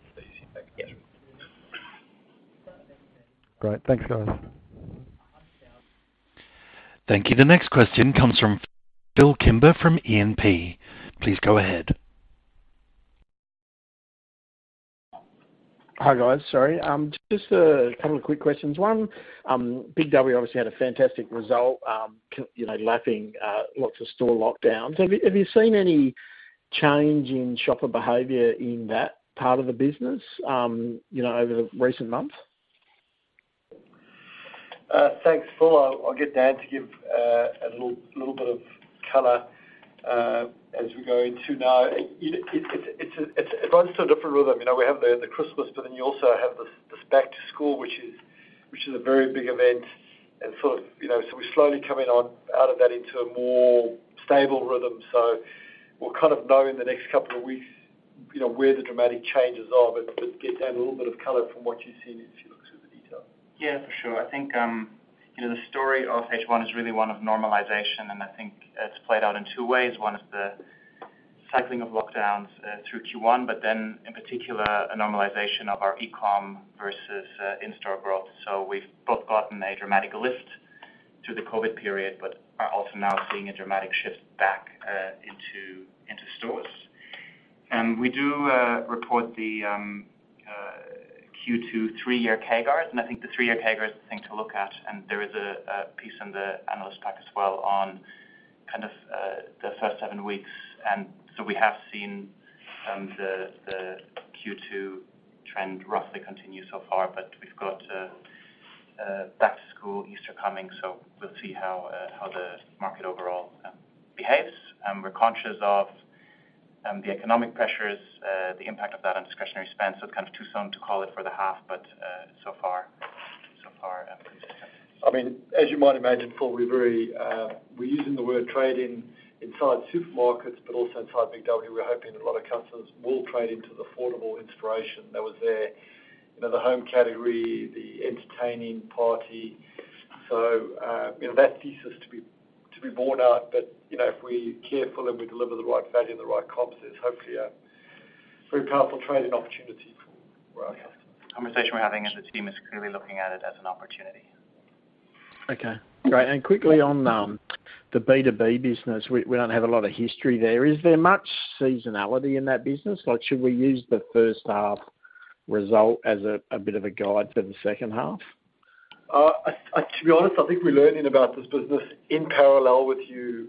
Speaker 18: Great. Thanks, guys.
Speaker 1: Thank you. The next question comes from Phillip Kimber from E&P. Please go ahead.
Speaker 19: Hi, guys. Sorry. Just a couple of quick questions. One, BIG W obviously had a fantastic result, you know, lapping lots of store lockdowns. Have you seen any change in shopper behavior in that part of the business, you know, over the recent months?
Speaker 2: Thanks, Phil. I'll get Dan to give a little bit of color as we go into now. It runs to a different rhythm. You know, we have the Christmas, but then you also have this back to school, which is a very big event and sort of, you know, we're slowly coming on out of that into a more stable rhythm. We'll kind of know in the next two weeks, you know, where the dramatic changes are. Give Dan a little bit of color from what you've seen as you look through the detail.
Speaker 10: Yeah, for sure. I think, you know, the story of H1 is really one of normalization, and I think it's played out in two ways. One is the cycling of lockdowns through Q1, but then in particular a normalization of our eCom versus in-store growth. We've both gotten a dramatic lift through the COVID period, but are also now seeing a dramatic shift back into stores. We do report the Q2 3-year CAGRs, and I think the three-year CAGRs are the thing to look at, and there is a piece in the analyst pack as well on kind of the first seven weeks. We have seen the Q2 trend roughly continue so far, but we've got Back to School, Easter coming, so we'll see how the market overall behaves. We're conscious of the economic pressures, the impact of that on discretionary spend, so it's kind of too soon to call it for the half, but so far.
Speaker 2: I mean, as you might imagine, Phil, we're very, we're using the word trade-in inside supermarkets, but also inside BIG W, we're hoping a lot of customers will trade into the affordable inspiration that was there. You know, the home category, the entertaining party. That thesis to be borne out. If we're careful and we deliver the right value and the right comps, there's hopefully a very powerful trading opportunity for growth.
Speaker 10: Conversation we're having as a team is clearly looking at it as an opportunity.
Speaker 19: Okay, great. Quickly on the B2B business. We don't have a lot of history there. Is there much seasonality in that business? Like, should we use the first half result as a bit of a guide for the second half?
Speaker 2: To be honest, I think we're learning about this business in parallel with you,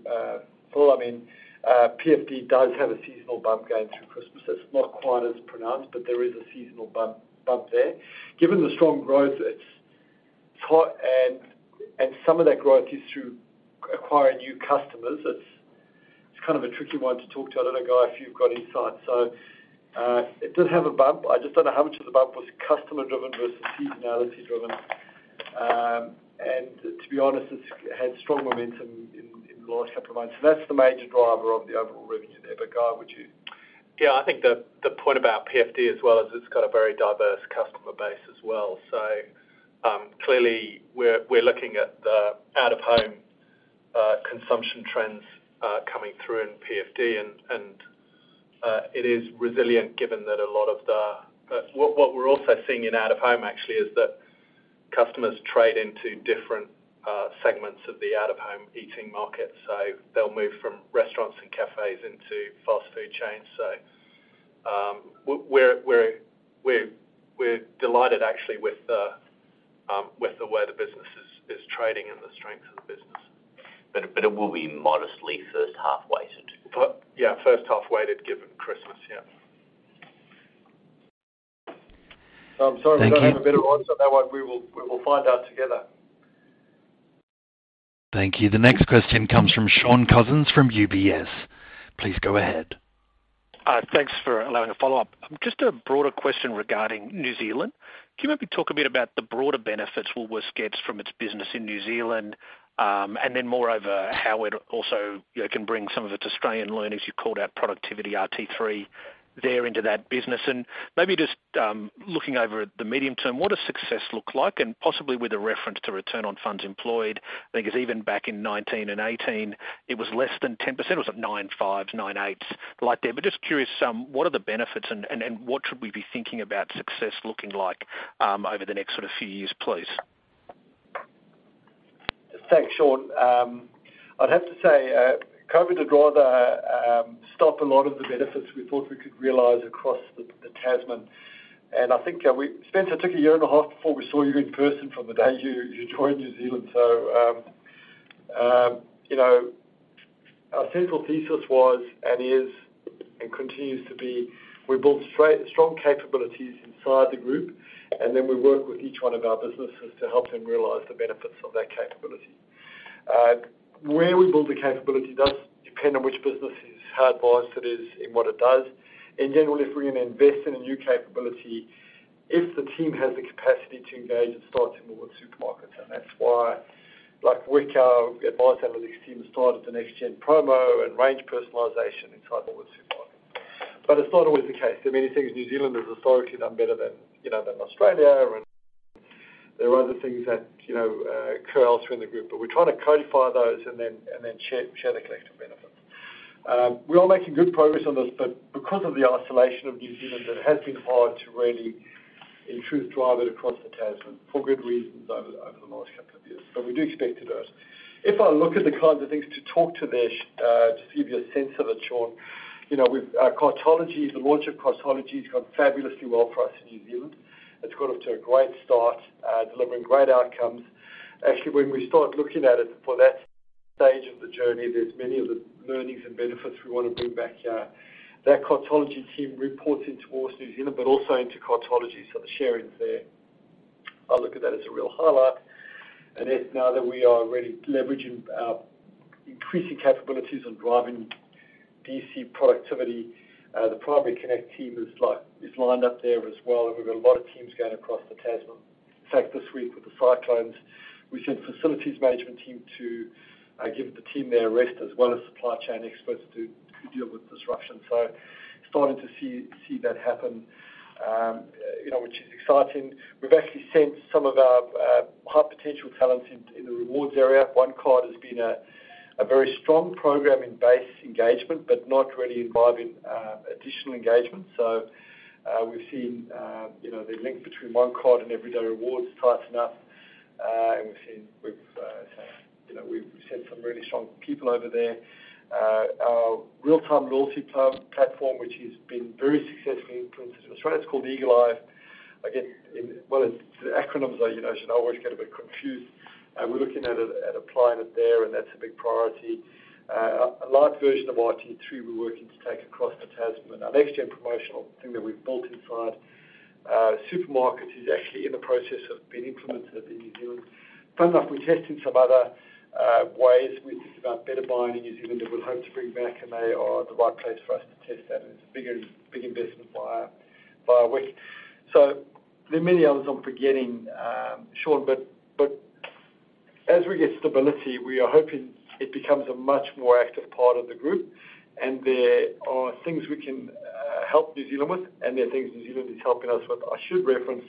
Speaker 2: Phil. I mean, PFD does have a seasonal bump going through Christmas. It's not quite as pronounced, but there is a seasonal bump there. Given the strong growth, some of that growth is through acquiring new customers. It's kind of a tricky one to talk to. I don't know, Guy, if you've got insights. It does have a bump. I just don't know how much of the bump was customer driven versus seasonality driven. To be honest, it's had strong momentum in the last 2 months. That's the major driver of the overall revenue there. Guy, would you?
Speaker 10: Yeah, I think the point about PFD as well is it's got a very diverse customer base as well. Clearly we're looking at the out of home. Consumption trends coming through in PFD and it is resilient given that a lot of the... What we're also seeing in out-of-home actually is that customers trade into different segments of the out-of-home eating market. They'll move from restaurants and cafes into fast food chains. We're delighted actually with the way the business is trading and the strength of the business.
Speaker 3: It will be modestly first half-weighted?
Speaker 2: Yeah, first half-weighted given Christmas. Yeah.
Speaker 19: Thank you.
Speaker 2: I'm sorry we don't have a better answer on that one. We will, we will find out together.
Speaker 1: Thank you. The next question comes from Shaun Cousins from UBS. Please go ahead.
Speaker 8: Thanks for allowing a follow-up. Just a broader question regarding New Zealand. Can you maybe talk a bit about the broader benefits Woolworths gets from its business in New Zealand, and then moreover, how it also, you know, can bring some of its Australian learnings, you called out productivity RT3 there into that business. Maybe just, looking over at the medium term, what does success look like? Possibly with a reference to return on funds employed, I think is even back in 19 and 18, it was less than 10%. It was at 9.5%, 9.8%, like there. Just curious, what are the benefits and what should we be thinking about success looking like over the next sort of few years, please?
Speaker 2: Thanks, Shaun. I'd have to say, COVID had rather stop a lot of the benefits we thought we could realize across the Tasman. I think, Spencer took a year and a half before we saw you in person from the day you joined New Zealand. You know, our central thesis was and is, and continues to be, we build strong capabilities inside the group, and then we work with each one of our businesses to help them realize the benefits of that capability. Where we build the capability does depend on which business is, how advanced it is in what it does. Generally, if we're gonna invest in a new capability, if the team has the capacity to engage, it starts in Woolworths Supermarkets. That's why like WECA, we advise them with extreme start of the next gen promo and range personalization inside Woolworths Supermarkets. It's not always the case. There are many things New Zealand has historically done better than, you know, than Australia and there are other things that, you know, occur elsewhere in the group. We're trying to codify those and then, and then share the collective benefits. We are making good progress on this, but because of the isolation of New Zealand, it has been hard to really in truth drive it across the Tasman for good reasons over the last couple of years. We do expect it to. If I look at the kinds of things to talk to this, to give you a sense of it, Shaun, you know, with Cartology, the launch of Cartology has gone fabulously well for us in New Zealand. It's got off to a great start, delivering great outcomes. Actually, when we start looking at it for that stage of the journey, there's many of the learnings and benefits we wanna bring back here. That Cartology team reports into us, New Zealand, but also into Cartology. The sharing's there. I look at that as a real highlight. As now that we are really leveraging our increasing capabilities and driving DC productivity, the Primary Connect team is lined up there as well, and we've got a lot of teams going across the Tasman. In fact, this week with the cyclones, we sent facilities management team to give the team their rest as well as supply chain experts to deal with disruption. Starting to see that happen, you know, which is exciting. We've actually sent some of our high potential talents in the rewards area. OneCard has been a very strong program in base engagement, but not really involving additional engagement. We've seen, you know, the link between OneCard and Everyday Rewards tighten up. We've seen with, you know, we've sent some really strong people over there. Our real-time loyalty platform, which has been very successful in, for instance, Australia, it's called Eagle Eye. Again, in one of the acronyms I, you know, should always get a bit confused. We're looking at applying it there, and that's a big priority. A large version of RT3 we're working to take across the Tasman. Our next-gen promotional thing that we've built inside supermarkets is actually in the process of being implemented in New Zealand. Funnily enough, we're testing some other ways. We think about Better Buy in New Zealand that we'll hope to bring back, and they are the right place for us to test that, and it's a big investment via WECA. There are many others I'm forgetting, Shaun, but as we get stability, we are hoping it becomes a much more active part of the group. There are things we can help New Zealand with, and there are things New Zealand is helping us with. I should reference,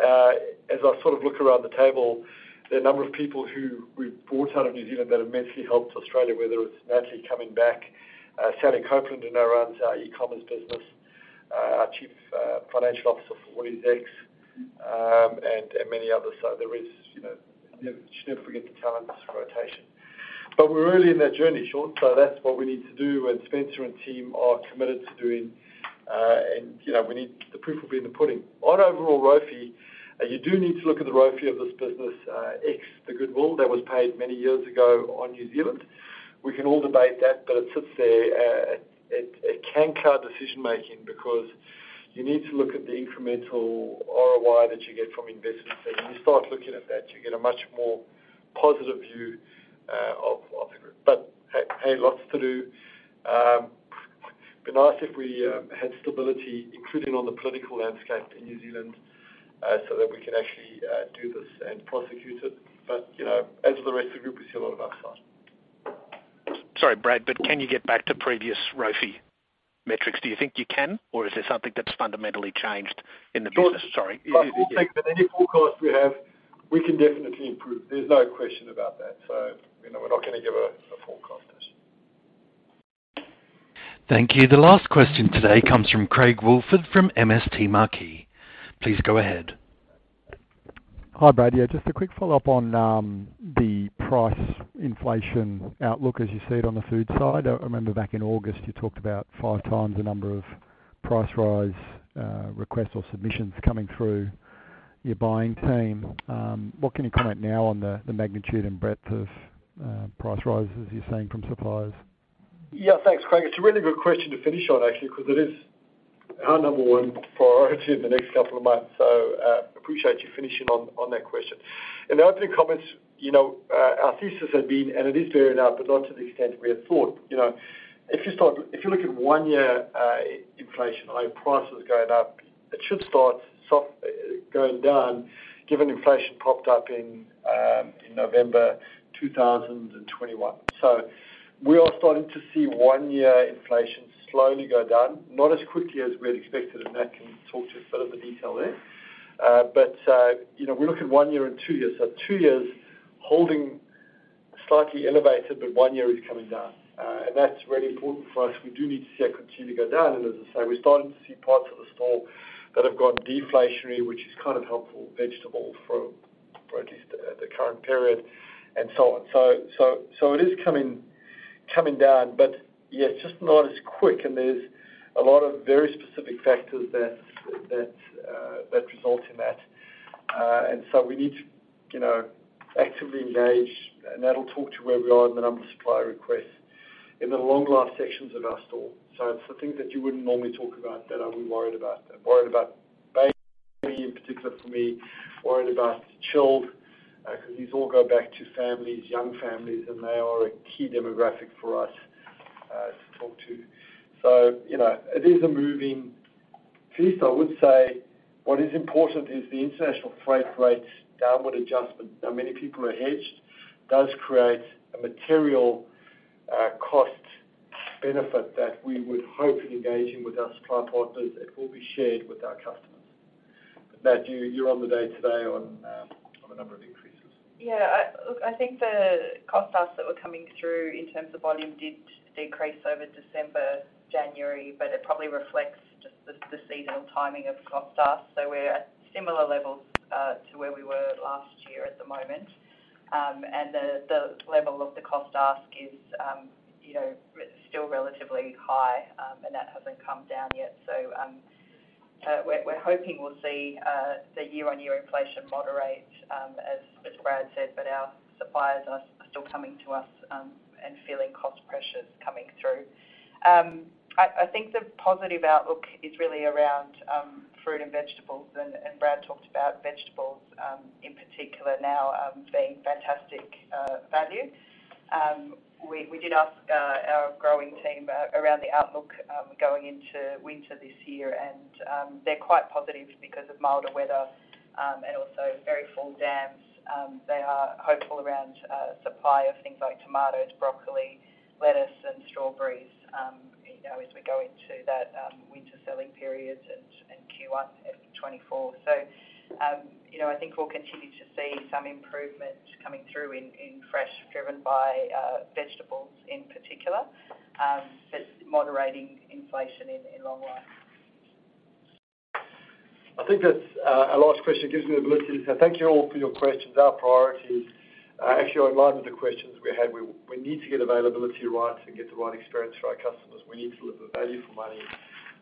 Speaker 2: as I sort of look around the table, there are a number of people who we've brought out of New Zealand that have immensely helped Australia, whether it's Natalie coming back, Sally Copland who now runs our e-commerce business, our chief financial officer for WooliesX, and many others. There is, you know, you should never forget the talents rotation. We're early in that journey, Sean, that's what we need to do, and Spencer and team are committed to doing, and, you know, we need the proof will be in the pudding. On overall ROFE, you do need to look at the ROFE of this business, ex the goodwill that was paid many years ago on New Zealand. We can all debate that, but it sits there at canker decision-making because you need to look at the incremental ROI that you get from investments. When you start looking at that, you get a much more positive view of the group. Hey, lots to do. Be nice if we had stability, including on the political landscape in New Zealand, so that we can actually do this and prosecute it. You know, as with the rest of the group, we see a lot of upside.
Speaker 8: Sorry, Brad, can you get back to previous ROFE metrics, do you think you can? Or is there something that's fundamentally changed in the business? Sorry.
Speaker 2: I think that any forecast we have, we can definitely improve. There's no question about that. You know, we're not gonna give a forecast.
Speaker 1: Thank you. The last question today comes from Craig Woolford from MST Marquee. Please go ahead.
Speaker 18: Hi, Brad. Just a quick follow-up on the price inflation outlook as you see it on the food side. I remember back in August, you talked about 5x the number of price rise requests or submissions coming through your buying team. What can you comment now on the magnitude and breadth of price rises you're seeing from suppliers?
Speaker 2: Yeah. Thanks, Craig. It's a really good question to finish on, actually, 'cause it is our number one priority in the next couple of months. Appreciate you finishing on that question. In the opening comments, you know, our thesis had been, and it is bearing out, but not to the extent we had thought. You know, if you look at one year, inflation, prices going up, it should start going down, given inflation popped up in November 2021. We are starting to see one-year inflation slowly go down, not as quickly as we had expected, and that can talk to a bit of the detail there. You know, we look at one year and two years. Two years holding slightly elevated, but one year is coming down. That's really important for us. We do need to see it continue to go down. As I say, we're starting to see parts of the store that have gone deflationary, which is kind of helpful, vegetable, fruit, at least at the current period, and so on. So it is coming down, but yeah, just not as quick, and there's a lot of very specific factors that result in that. We need to, you know, actively engage, and that'll talk to where we are in the number of supplier requests in the long life sections of our store. It's the things that you wouldn't normally talk about that I'll be worried about. Worried about baby, in particular for me, worried about chilled, 'cause these all go back to families, young families, and they are a key demographic for us, to talk to. You know, it is a moving feast. I would say what is important is the international freight rates downward adjustment. Many people are hedged, does create a material, cost benefit that we would hope in engaging with our supply partners, it will be shared with our customers. Nad, you're on the day today on a number of increases.
Speaker 7: Yeah. Look, I think the cost asks that were coming through in terms of volume did decrease over December, January, but it probably reflects just the seasonal timing of cost asks. We're at similar levels to where we were last year at the moment. And the level of the cost ask is, you know, still relatively high, and that hasn't come down yet. We're hoping we'll see the year-on-year inflation moderate as Brad said, but our suppliers are still coming to us and feeling cost pressures coming through. I think the positive outlook is really around fruit and vegetables, and Brad talked about vegetables in particular now being fantastic value. We did ask our growing team around the outlook going into winter this year, and they're quite positive because of milder weather and also very full dams. They are hopeful around supply of things like tomatoes, broccoli, lettuce and strawberries, you know, as we go into that winter selling period and Q1 2024. You know, I think we'll continue to see some improvement coming through in fresh, driven by vegetables in particular, but moderating inflation in long life.
Speaker 2: I think that's our last question. It gives me the ability to say thank you all for your questions. Our priorities, actually in light of the questions we had, we need to get availability right and get the right experience for our customers. We need to deliver value for money.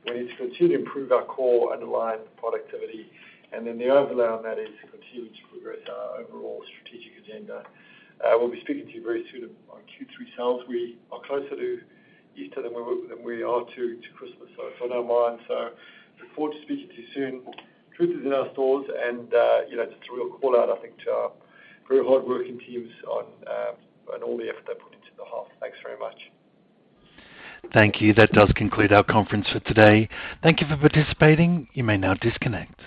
Speaker 2: We need to continue to improve our core underlying productivity. Then the overlay on that is to continue to progress our overall strategic agenda. We'll be speaking to you very soon on our Q3 sales. We are closer to Easter than we are to Christmas. If I don't mind, look forward to speaking to you soon. Truth is in our stores and, you know, just a real call out, I think, to our very hard-working teams on all the effort they put into the half. Thanks very much.
Speaker 1: Thank you. That does conclude our conference for today. Thank you for participating. You may now disconnect.